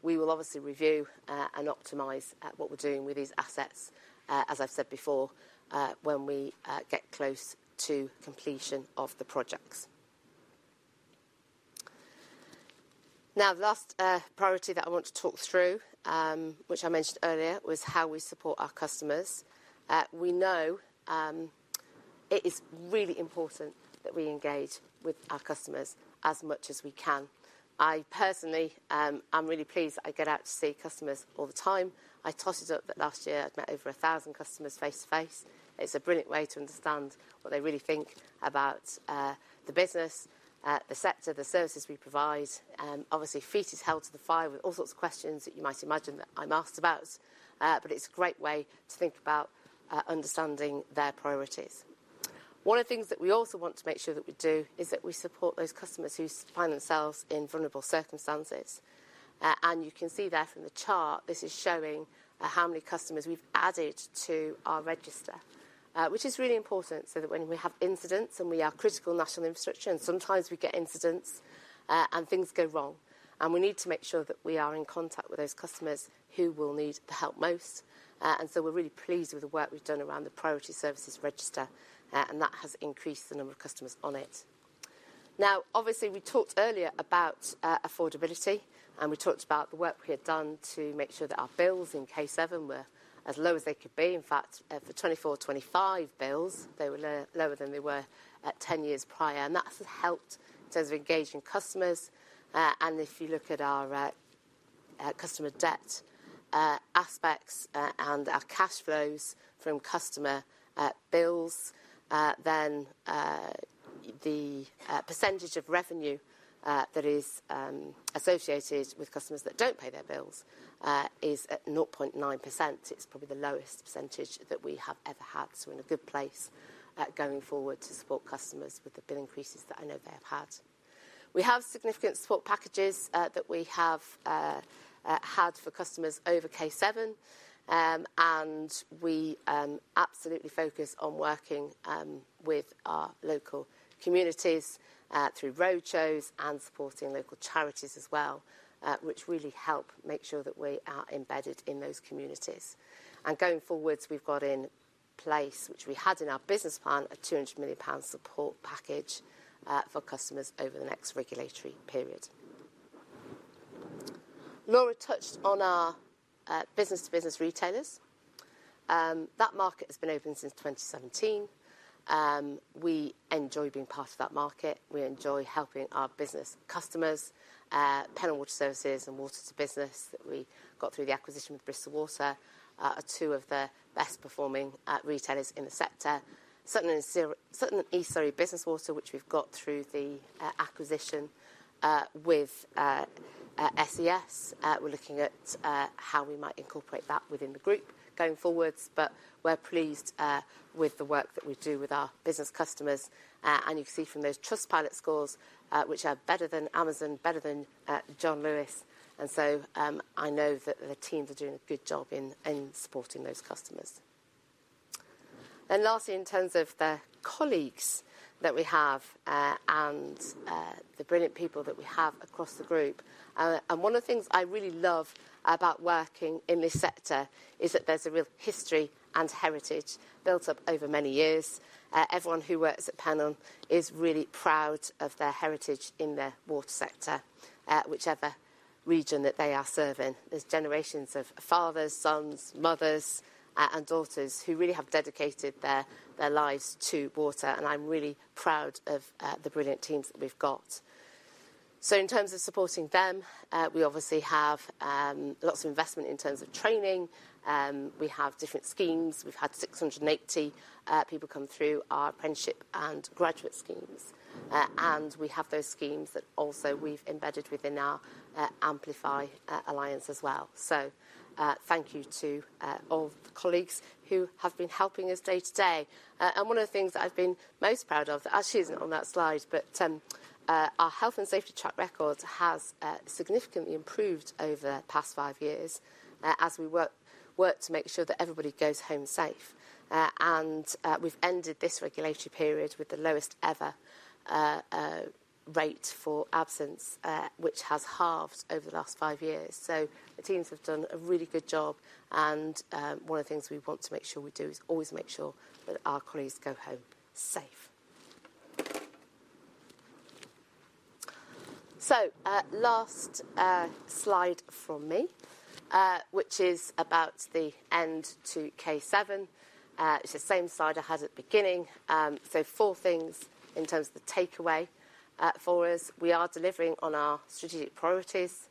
we will obviously review and optimize what we're doing with these assets, as I've said before, when we get close to completion of the projects. Now, the last priority that I want to talk through, which I mentioned earlier, was how we support our customers. We know it is really important that we engage with our customers as much as we can. I personally am really pleased that I get out to see customers all the time. I toss it up that last year I've met over 1,000 customers face-to-face. It's a brilliant way to understand what they really think about the business, the sector, the services we provide. Obviously, feet is held to the fire with all sorts of questions that you might imagine that I'm asked about, but it's a great way to think about understanding their priorities. One of the things that we also want to make sure that we do is that we support those customers who find themselves in vulnerable circumstances. You can see there from the chart, this is showing how many customers we've added to our register, which is really important so that when we have incidents and we are critical National Infrastructure, and sometimes we get incidents and things go wrong, we need to make sure that we are in contact with those customers who will need the help most. We are really pleased with the work we've done around the Priority Services Register, and that has increased the number of customers on it. Now, obviously, we talked earlier about affordability, and we talked about the work we had done to make sure that our bills in K7 were as low as they could be. In fact, for 2024-2025 bills, they were lower than they were 10 years prior. That has helped in terms of engaging customers. If you look at our Customer Debt Aspects and our Cash Flows from Customer Bills, the percentage of revenue that is associated with customers that do not pay their bills is 0.9%. It is probably the lowest percentage that we have ever had. We are in a good place going forward to support customers with the bill increases that I know they have had. We have significant support packages that we have had for customers over K7. We absolutely focus on working with our Local Communities through roadshows and supporting Local Charities as well, which really help make sure that we are embedded in those communities. Going forwards, we've got in place, which we had in our business plan, a 200 million pound support package for customers over the next Regulatory Period. Laura touched on our business-to-business retailers. That market has been open since 2017. We enjoy being part of that market. We enjoy helping our business customers, Pennon Water Services and Water2Business that we got through the acquisition with Bristol Water, are two of the best-performing retailers in the sector. Certainly, Surrey Business Water, which we've got through the acquisition with SES, we're looking at how we might incorporate that within the group going forwards. We're pleased with the work that we do with our business customers. You can see from those Trustpilot Scores, which are better than Amazon, better than John Lewis. I know that the teams are doing a good job in supporting those customers. Lastly, in terms of the colleagues that we have and the brilliant people that we have across the group, one of the things I really love about working in this sector is that there is a real history and heritage built up over many years. Everyone who works at Pennon is really proud of their heritage in the Water Sector, whichever region that they are serving. There are generations of fathers, sons, mothers, and daughters who really have dedicated their lives to water. I am really proud of the brilliant teams that we have got. In terms of supporting them, we obviously have lots of investment in terms of training. We have different schemes. We've had 680 people come through our Apprenticeship and Graduate Schemes. We have those schemes that also we've embedded within our Amplify Alliance as well. Thank you to all the colleagues who have been helping us day to day. One of the things that I've been most proud of actually isn't on that slide, but our health and safety track record has significantly improved over the past five years as we work to make sure that everybody goes home safe. We've ended this Regulatory Period with the lowest ever rate for absence, which has halved over the last five years. The teams have done a really good job. One of the things we want to make sure we do is always make sure that our colleagues go home safe. Last slide from me, which is about the end to K7. It's the same slide I had at the beginning. Four things in terms of the takeaway for us. We are delivering on our strategic priorities.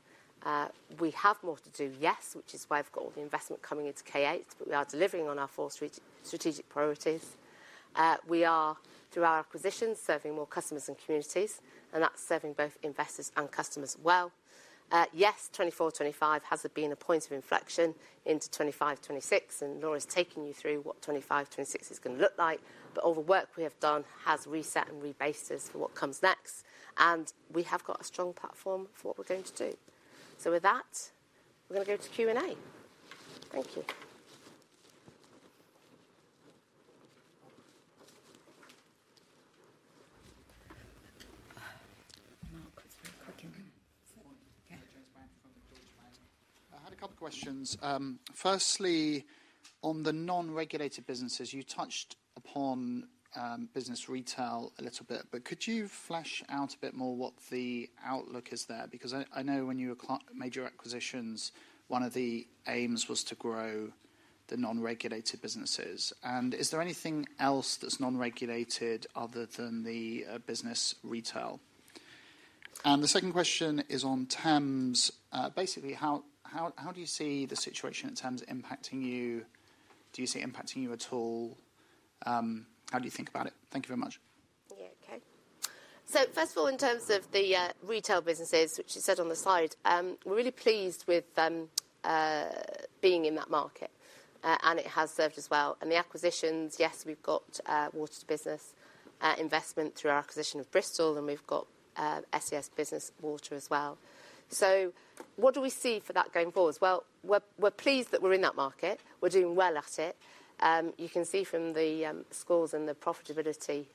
We have more to do, yes, which is why we've got all the investment coming into K8, but we are delivering on our four Strategic Priorities. We are, through our acquisitions, serving more customers and communities, and that's serving both investors and customers well. Yes, 2024-2025 has been a point of inflection into 2025-2026, and Laura's taking you through what 2025-2026 is going to look like. All the work we have done has reset and rebased us for what comes next. We have got a strong platform for what we're going to do. With that, we're going to go to Q&A. Thank you. I had a couple of questions. Firstly, on the non-Regulated Businesses, you touched upon Business Retail a little bit, but could you flesh out a bit more what the outlook is there? Because I know when you made your acquisitions, one of the aims was to grow the non-Regulated Businesses. Is there anything else that's non-Regulated other than the Business Retail? The second question is on Thames. Basically, how do you see the situation at Thames impacting you? Do you see it impacting you at all? How do you think about it? Thank you very much. Yeah, okay. First of all, in terms of the Retail Businesses, which you said on the slide, we're really pleased with being in that market, and it has served us well. The acquisitions, yes, we've got water to business investment through our acquisition of Bristol, and we've got SES Business Water as well. What do we see for that going forward? We are pleased that we are in that market. We are doing well at it. You can see from the scores and the profitability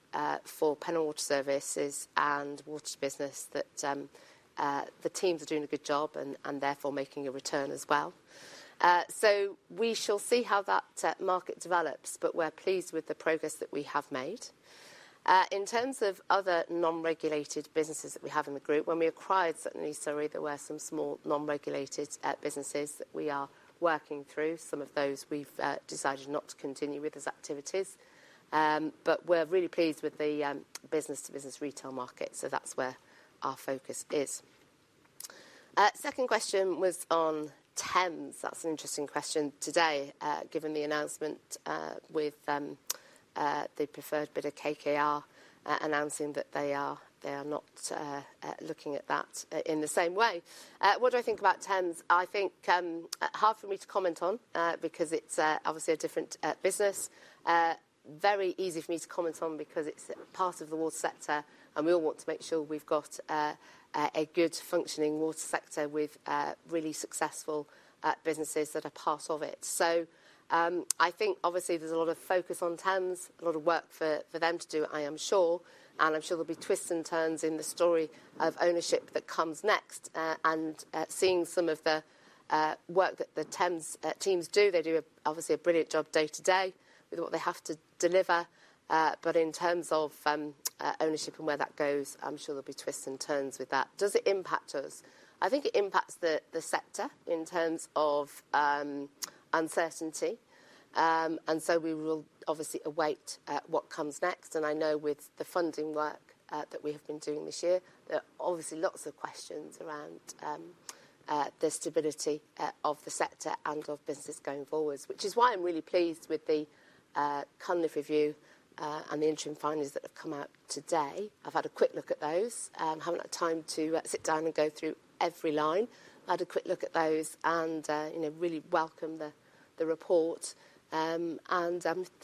for Pennon Water Services and Water2Business that the teams are doing a good job and therefore making a return as well. We shall see how that market develops, but we are pleased with the progress that we have made. In terms of other non-Regulated Businesses that we have in the group, when we acquired SES Water, there were some small non-Regulated Businesses that we are working through. Some of those we have decided not to continue with as activities. We are really pleased with the business-to-business Retail Market, so that is where our focus is. Second question was on Thames. That's an interesting question today, given the announcement with the preferred bidder KKR announcing that they are not looking at that in the same way. What do I think about Thames? I think hard for me to comment on because it's obviously a different business. Very easy for me to comment on because it's part of the water sector, and we all want to make sure we've got a good functioning Water Sector with really successful businesses that are part of it. I think obviously there's a lot of focus on Thames, a lot of work for them to do, I am sure. I'm sure there'll be twists and turns in the story of ownership that comes next. Seeing some of the work that the Thames teams do, they do obviously a brilliant job day to day with what they have to deliver. In terms of ownership and where that goes, I'm sure there'll be twists and turns with that. Does it impact us? I think it impacts the sector in terms of uncertainty. We will obviously await what comes next. I know with the funding work that we have been doing this year, there are obviously lots of questions around the stability of the sector and of business going forwards, which is why I'm really pleased with the cutting-edge review and the interim findings that have come out today. I've had a quick look at those. I haven't had time to sit down and go through every line. I've had a quick look at those and really welcome the report. I'm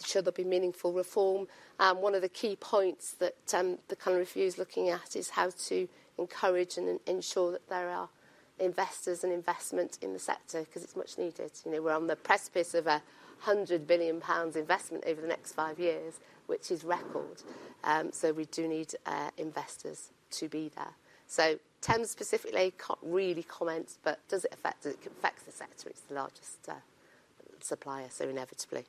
sure there'll be meaningful reform. One of the key points that the cutting-edge review is looking at is how to encourage and ensure that there are Investors and Investment in the sector because it's much needed. We're on the precipice of 100 billion pounds investment over the next five years, which is record. We do need investors to be there. Thames specifically, I can't really comment, but does it affect the sector? It's the largest supplier, so inevitably.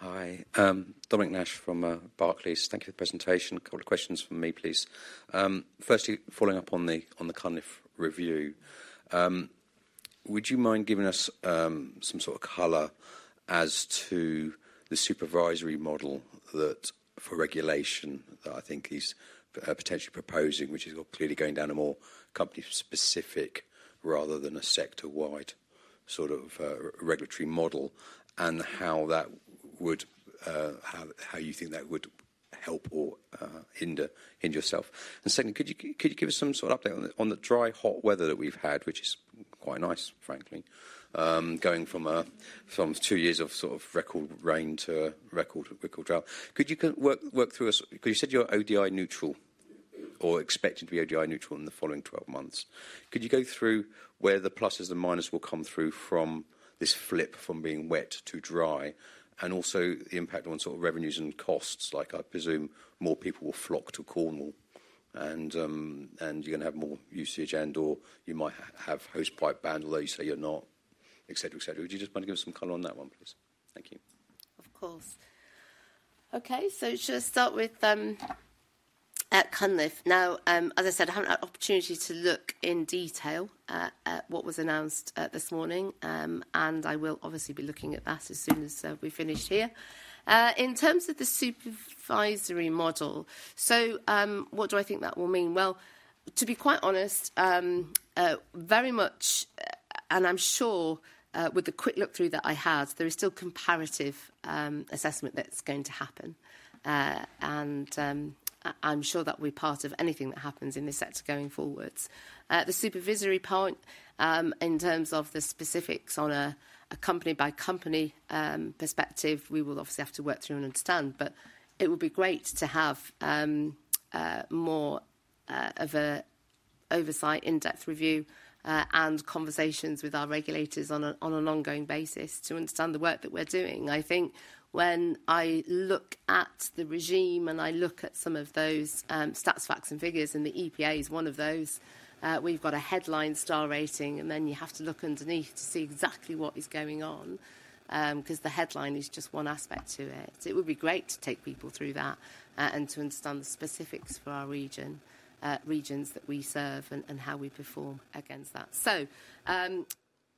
Hi, Dominic Nash from Barclays. Thank you for the presentation. A couple of questions from me, please. Firstly, following up on the cutting-edge review, would you mind giving us some sort of color as to the supervisory model for regulation that I think he's potentially proposing, which is clearly going down a more company-specific rather than a sector-wide sort of regulatory model and how you think that would help or hinder yourself? Secondly, could you give us some sort of update on the dry, hot weather that we have had, which is quite nice, frankly, going from two years of sort of record rain to record drought? Could you work through us? Because you said you are ODI neutral or expecting to be ODI neutral in the following 12 months. Could you go through where the pluses and minuses will come through from this flip from being wet to dry and also the impact on sort of revenues and costs? Like I presume more people will flock to Cornwall and you are going to have more usage and/or you might have hosepipe ban although you say you are not, etc., etc. Would you just mind giving us some color on that one, please? Thank you. Of course. Okay, just start with cutting-edge. Now, as I said, I haven't had the opportunity to look in detail at what was announced this morning, and I will obviously be looking at that as soon as we finish here. In terms of the supervisory model, what do I think that will mean? To be quite honest, very much, and I'm sure with the quick look through that I had, there is still comparative assessment that's going to happen. I'm sure that will be part of anything that happens in this sector going forwards. The supervisory part, in terms of the specifics on a company-by-company perspective, we will obviously have to work through and understand, but it would be great to have more of an oversight, in-depth review, and conversations with our regulators on an ongoing basis to understand the work that we're doing. I think when I look at the regime and I look at some of those stats, facts, and figures and the EPA is one of those, we have got a headline star rating, and then you have to look underneath to see exactly what is going on because the headline is just one aspect to it. It would be great to take people through that and to understand the specifics for our regions that we serve and how we perform against that.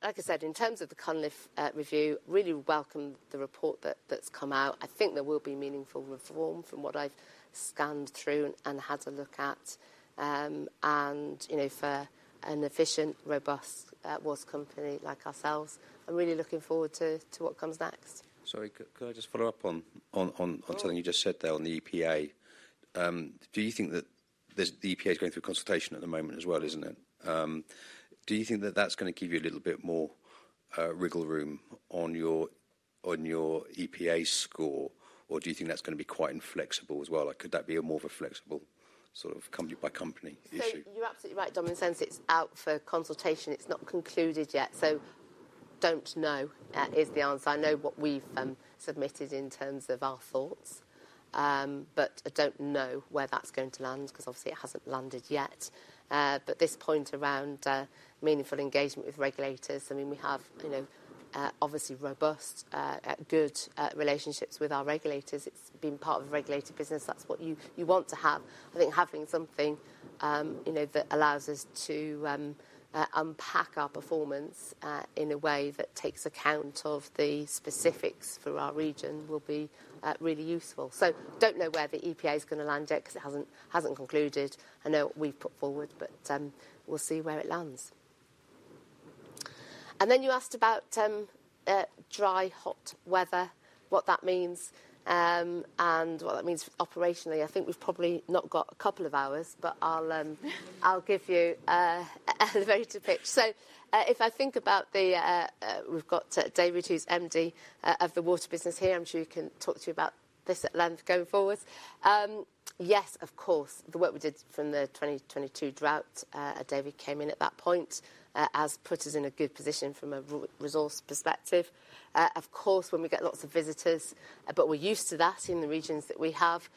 Like I said, in terms of the cutting-edge review, really welcome the report that has come out. I think there will be meaningful reform from what I have scanned through and had a look at. For an efficient, robust water company like ourselves, I am really looking forward to what comes next. Sorry, could I just follow up on something you just said there on the EPA? Do you think that the EPA is going through consultation at the moment as well, isn't it? Do you think that that's going to give you a little bit more wriggle room on your EPA score, or do you think that's going to be quite inflexible as well? Could that be more of a flexible sort of company-by-company issue? You're absolutely right, Dominic. Since it's out for consultation, it's not concluded yet. Do not know is the answer. I know what we've submitted in terms of our thoughts, but I do not know where that's going to land because obviously it has not landed yet. This point around meaningful engagement with regulators, I mean, we have obviously robust, good relationships with our regulators. It's been part of the regulated business. That's what you want to have. I think having something that allows us to unpack our performance in a way that takes account of the specifics for our region will be really useful. I do not know where the EPA is going to land yet because it has not concluded. I know what we have put forward, but we will see where it lands. You asked about dry, hot weather, what that means and what that means operationally. I think we have probably not got a couple of hours, but I will give you a very good pitch. If I think about the, we have got David, who is MD of the Water Business here. I am sure he can talk to you about this at length going forward. Yes, of course, the work we did from the 2022 drought, David came in at that point, has put us in a good position from a resource perspective. Of course, when we get lots of visitors, but we're used to that in the regions that we have,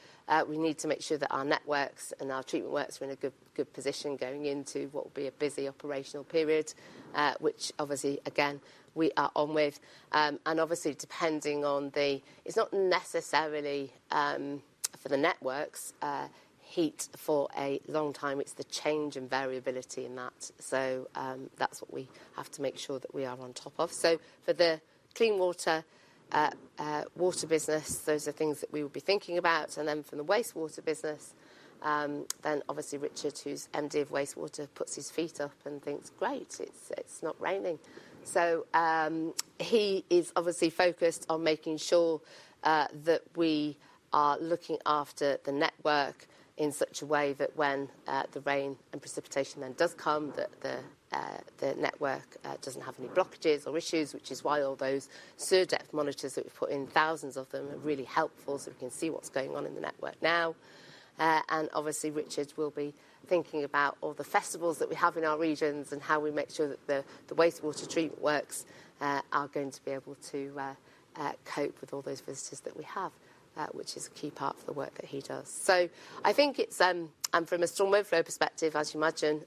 we need to make sure that our networks and our treatment works are in a good position going into what will be a busy operational period, which obviously, again, we are on with. Obviously, depending on the, it's not necessarily for the networks heat for a long time. It's the change and variability in that. That is what we have to make sure that we are on top of. For the Clean Water Business, those are things that we will be thinking about. For the Wastewater business, obviously Richard, who's MD of Wastewater, puts his feet up and thinks, "Great, it's not raining." He is obviously focused on making sure that we are looking after the network in such a way that when the rain and precipitation then does come, the network does not have any blockages or issues, which is why all those SIR depth monitors that we have put in, thousands of them, are really helpful so we can see what is going on in the network now. Obviously, Richard will be thinking about all the festivals that we have in our regions and how we make sure that the Wastewater Treat works are going to be able to cope with all those visitors that we have, which is a key part of the work that he does. I think it's from a storm overflow perspective, as you imagine,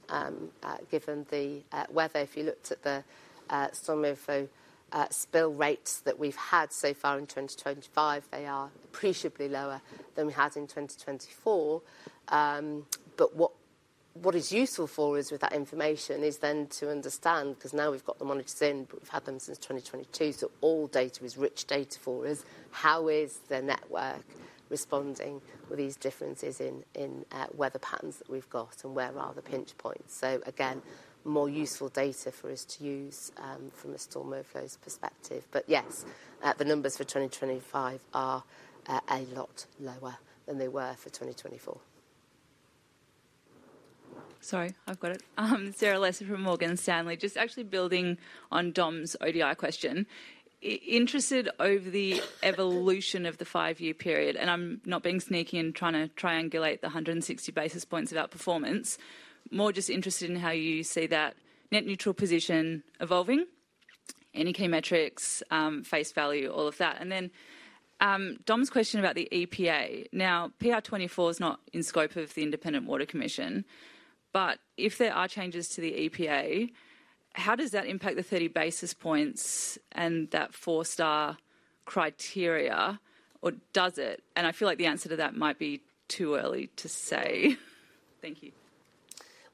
given the weather, if you looked at the storm overflow spill rates that we've had so far in 2025, they are appreciably lower than we had in 2024. What is useful for us with that information is then to understand, because now we've got the monitors in, but we've had them since 2022, so all data is rich data for us. How is the network responding with these differences in weather patterns that we've got and where are the pinch points? Again, more useful data for us to use from a storm overflow perspective. Yes, the numbers for 2025 are a lot lower than they were for 2024. Sorry, I've got it. Sarah Lester from Morgan Stanley, just actually building on Dom's ODI question. Interested over the evolution of the five-year period, and I'm not being sneaky and trying to triangulate the 160 basis points of outperformance. More just interested in how you see that net neutral position evolving, any key metrics, face value, all of that. Dom's question about the EPA. Now, PR24 is not in scope of the Independent Water Commission, but if there are changes to the EPA, how does that impact the 30 basis points and that four-star criteria, or does it? I feel like the answer to that might be too early to say. Thank you.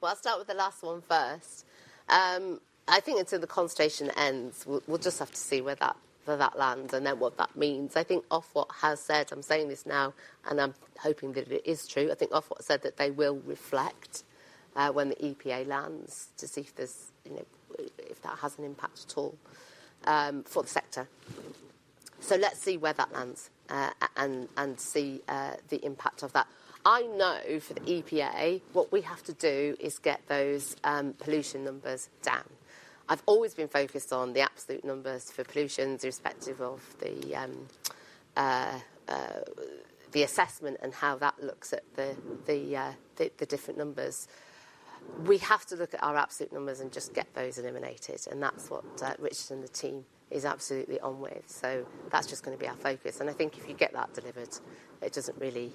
I'll start with the last one first. I think until the consultation ends, we'll just have to see where that lands and then what that means. I think Ofwat has said, I'm saying this now, and I'm hoping that it is true. I think Ofwat said that they will reflect when the EPA lands to see if that has an impact at all for the sector. Let's see where that lands and see the impact of that. I know for the EPA, what we have to do is get those pollution numbers down. I've always been focused on the absolute numbers for pollution with respect to the assessment and how that looks at the different numbers. We have to look at our absolute numbers and just get those eliminated. That is what Richard and the team is absolutely on with. That is just going to be our focus. I think if you get that delivered, it does not really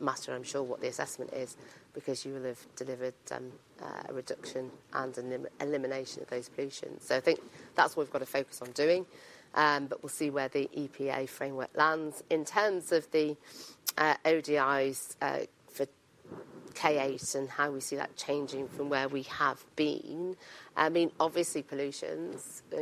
matter, I am sure, what the assessment is, because you will have delivered a reduction and an elimination of those pollutions. I think that is what we have got to focus on doing. We'll see where the EPA framework lands. In terms of the ODIs for K8 and how we see that changing from where we have been, I mean, obviously pollutions, we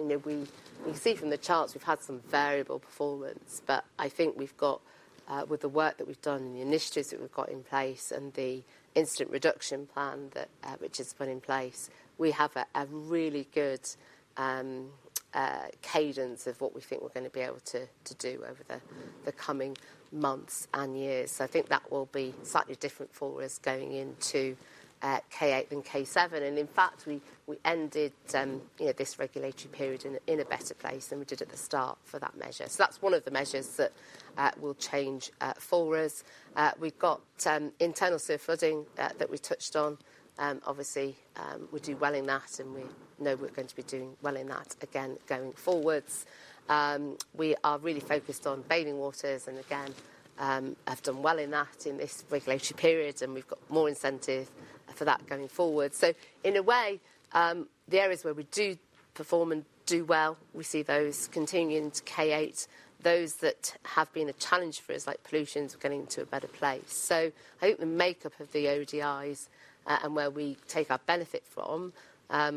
can see from the charts we've had some variable performance, but I think with the work that we've done and the initiatives that we've got in place and the incident reduction plan which has been in place, we have a really good cadence of what we think we're going to be able to do over the coming months and years. I think that will be slightly different for us going into K8 than K7. In fact, we ended this Regulatory Period in a better place than we did at the start for that measure. That's one of the measures that will change for us. We've got Internal Sewer Flooding that we touched on. Obviously, we're doing well in that and we know we're going to be doing well in that again going forwards. We are really focused on Bathing Waters and again, have done well in that in this Regulatory Period and we've got more incentive for that going forward. In a way, the areas where we do perform and do well, we see those continuing to K8, those that have been a challenge for us like pollutions are getting into a better place. I think the makeup of the ODIs and where we take our benefit from,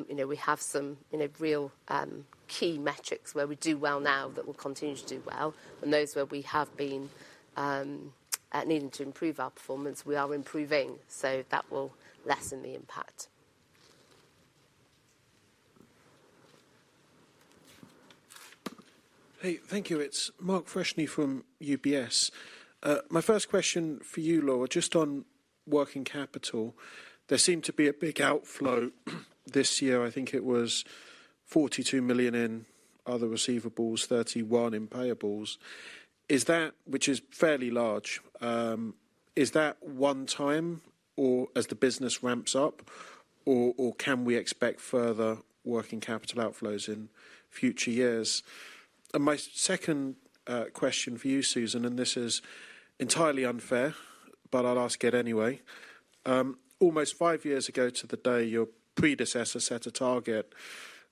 we have some real key metrics where we do well now that will continue to do well. Those where we have been needing to improve our performance, we are improving. That will lessen the impact. Hey, thank you. It's Mark Freshney from UBS. My first question for you, Laura, just on working capital. There seemed to be a big outflow this year. I think it was 42 million in other receivables, 31 million in payables. Is that, which is fairly large, is that one time or as the business ramps up or can we expect further working capital outflows in future years? My second question for you, Susan, and this is entirely unfair, but I'll ask it anyway. Almost five years ago to the day, your predecessor set a target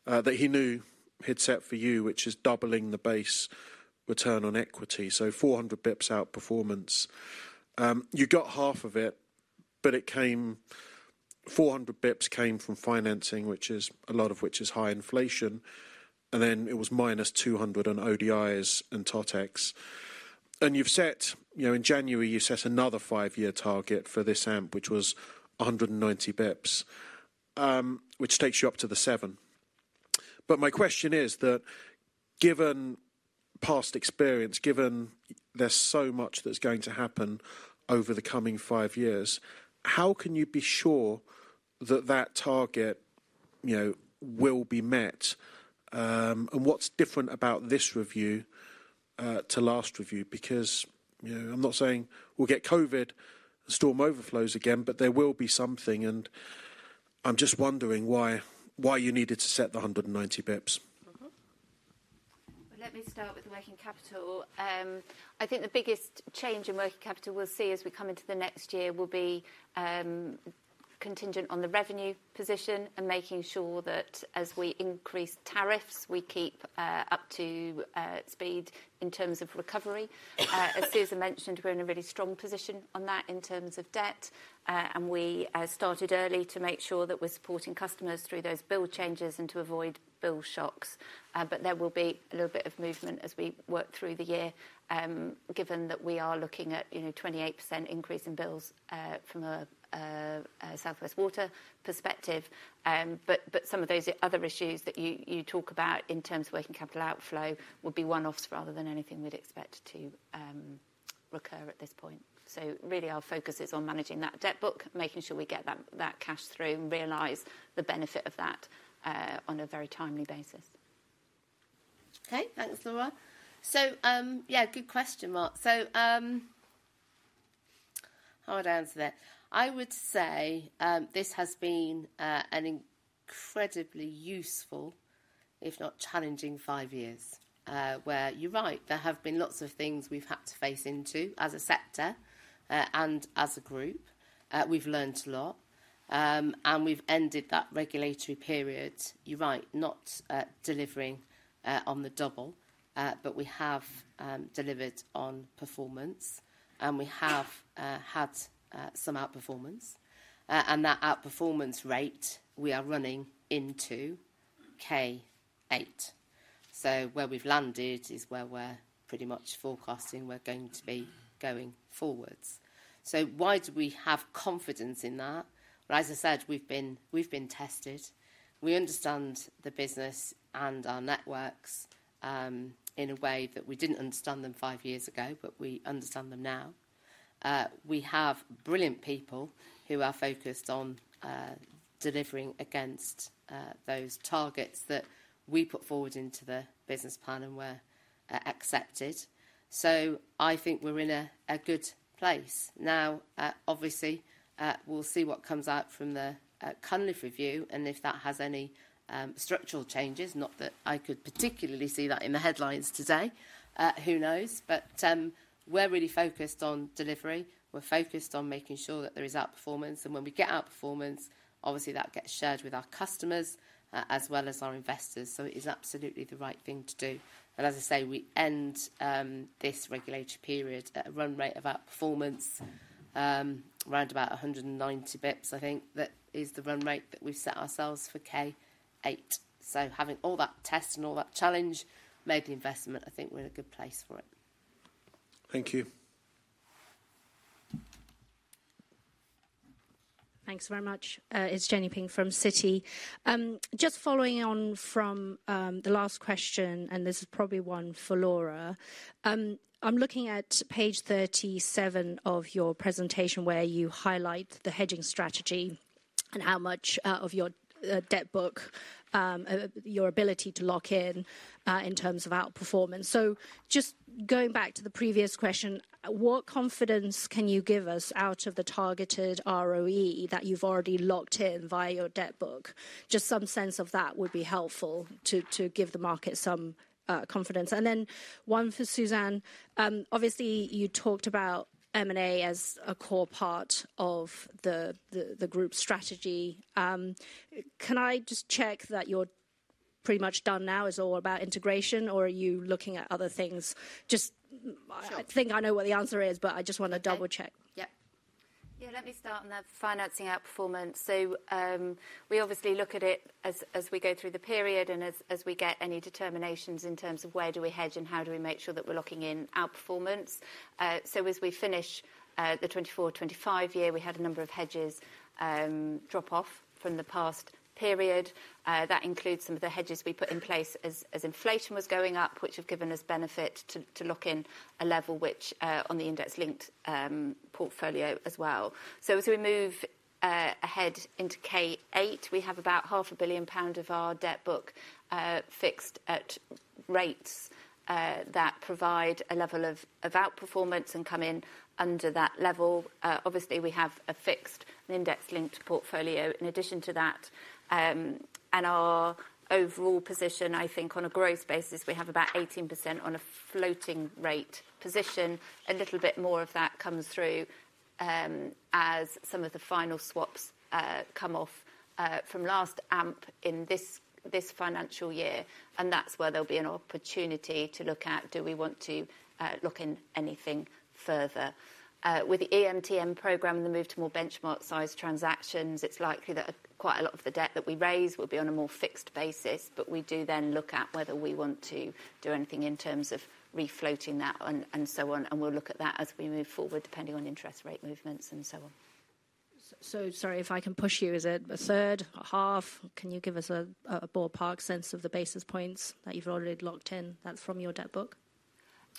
that he knew he'd set for you, which is doubling the base return on equity. So 400 bps outperformance. You got half of it, but 400 bps came from financing, which is a lot of which is high inflation. Then it was minus 200 on ODIs and totex. You set, in January, you set another five-year target for this AMP, which was 190 bps, which takes you up to the seven. My question is that given past experience, given there is so much that is going to happen over the coming five years, how can you be sure that that target will be met? What is different about this review to last review? I am not saying we will get COVID and Storm Overflows again, but there will be something. I am just wondering why you needed to set the 190 bps. Let me start with the Working Capital. I think the biggest change in Working Capital we will see as we come into the next year will be contingent on the revenue position and making sure that as we increase tariffs, we keep up to speed in terms of recovery. As Susan mentioned, we're in a really strong position on that in terms of debt. We started early to make sure that we're supporting customers through those bill changes and to avoid Bill Shocks. There will be a little bit of movement as we work through the year, given that we are looking at a 28% increase in bills from a South West Water perspective. Some of those other issues that you talk about in terms of working capital outflow would be one-offs rather than anything we'd expect to recur at this point. Really our focus is on managing that debt book, making sure we get that cash through and realize the benefit of that on a very timely basis. Okay, thanks, Laura. Yeah, good question, Mark. How would I answer that? I would say this has been an incredibly useful, if not challenging, five years where you're right, there have been lots of things we've had to face into as a sector and as a group. We've learned a lot and we've ended that Regulatory Period, you're right, not delivering on the double, but we have delivered on performance and we have had some outperformance. That outperformance rate, we are running into K8. Where we've landed is where we're pretty much forecasting we're going to be going forwards. Why do we have confidence in that? As I said, we've been tested. We understand the business and our networks in a way that we did not understand them five years ago, but we understand them now. We have brilliant people who are focused on delivering against those targets that we put forward into the business plan and were accepted. I think we're in a good place. Now, obviously, we'll see what comes out from the Cunliffe review and if that has any structural changes, not that I could particularly see that in the headlines today, who knows? We're really focused on delivery. We're focused on making sure that there is outperformance. When we get outperformance, obviously that gets shared with our customers as well as our investors. It is absolutely the right thing to do. As I say, we end this Regulatory Period at a run rate of outperformance, around about 190 bps. I think that is the run rate that we've set ourselves for K8. Having all that test and all that challenge made the investment, I think we're in a good place for it. Thank you. Thanks very much. It's Jenny Ping from Citi. Just following on from the last question, and this is probably one for Laura. I'm looking at page 37 of your presentation where you highlight the hedging strategy and how much of your debt book, your ability to lock in in terms of outperformance. Just going back to the previous question, what confidence can you give us out of the targeted ROE that you've already locked in via your debt book? Just some sense of that would be helpful to give the market some confidence. And then one for Susan, obviously you talked about M&A as a core part of the group strategy. Can I just check that you're pretty much done now? Is it all about integration or are you looking at other things? Just I think I know what the answer is, but I just want to double check. Yeah, let me start on that financing outperformance. We obviously look at it as we go through the period and as we get any determinations in terms of where do we hedge and how do we make sure that we're locking in outperformance. As we finish the 2024-2025 year, we had a number of hedges drop off from the past period. That includes some of the hedges we put in place as inflation was going up, which have given us benefit to lock in a level which on the index-linked portfolio as well. As we move ahead into K8, we have about 500,000,000 pound of our debt book fixed at rates that provide a level of outperformance and come in under that level. We have a fixed index-linked portfolio in addition to that. Our overall position, I think on a growth basis, we have about 18% on a floating rate position. A little bit more of that comes through as some of the final swaps come off from last AMP in this Financial Year. That is where there will be an opportunity to look at, do we want to lock in anything further? With the EMTM program and the move to more benchmark-sized transactions, it is likely that quite a lot of the debt that we raise will be on a more fixed basis. We do then look at whether we want to do anything in terms of refloating that and so on. We will look at that as we move forward depending on interest rate movements and so on. Sorry, if I can push you, is it a third, a half? Can you give us a ballpark sense of the basis points that you have already locked in that is from your debt book?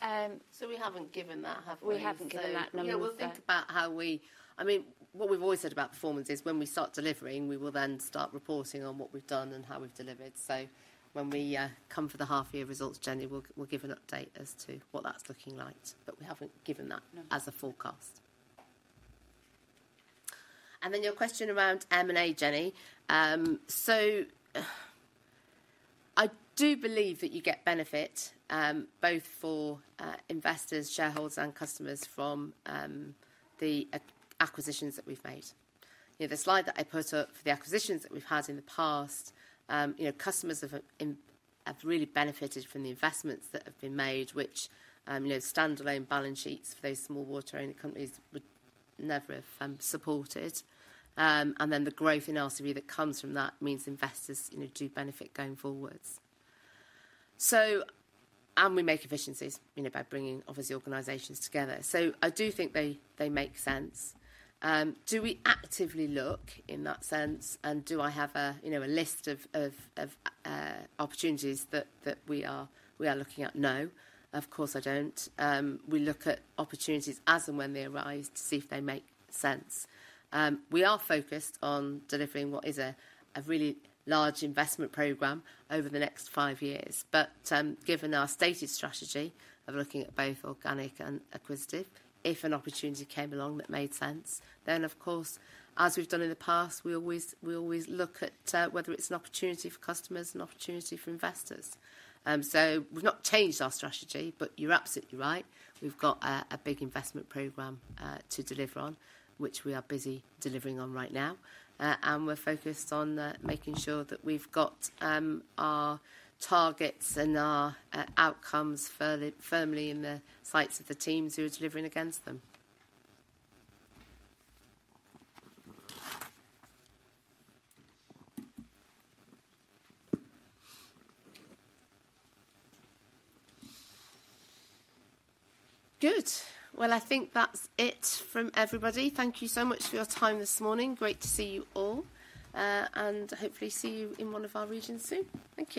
We have not given that, have we? We haven't given that number yet. Yeah, we'll think about how we, I mean, what we've always said about performance is when we start delivering, we will then start reporting on what we've done and how we've delivered. When we come for the half-year results, Jenny, we'll give an update as to what that's looking like. We haven't given that as a forecast. Your question around M&A, Jenny. I do believe that you get benefit both for investors, shareholders, and customers from the acquisitions that we've made. The slide that I put up for the acquisitions that we've had in the past, customers have really benefited from the investments that have been made, which standalone Balance Sheets for those small water-owned companies would never have supported. The growth in RCV that comes from that means investors do benefit going forwards. We make efficiencies by bringing obviously organizations together. I do think they make sense. Do we actively look in that sense? Do I have a list of opportunities that we are looking at? No, of course I do not. We look at opportunities as and when they arise to see if they make sense. We are focused on delivering what is a really large investment program over the next five years. Given our stated strategy of looking at both organic and acquisitive, if an opportunity came along that made sense, then of course, as we have done in the past, we always look at whether it is an opportunity for customers, an opportunity for investors. We have not changed our strategy, but you are absolutely right. We have a big investment program to deliver on, which we are busy delivering on right now. We are focused on making sure that we have our targets and our outcomes firmly in the sights of the teams who are delivering against them. Good. I think that is it from everybody. Thank you so much for your time this morning. Great to see you all and hopefully see you in one of our regions soon. Thank you.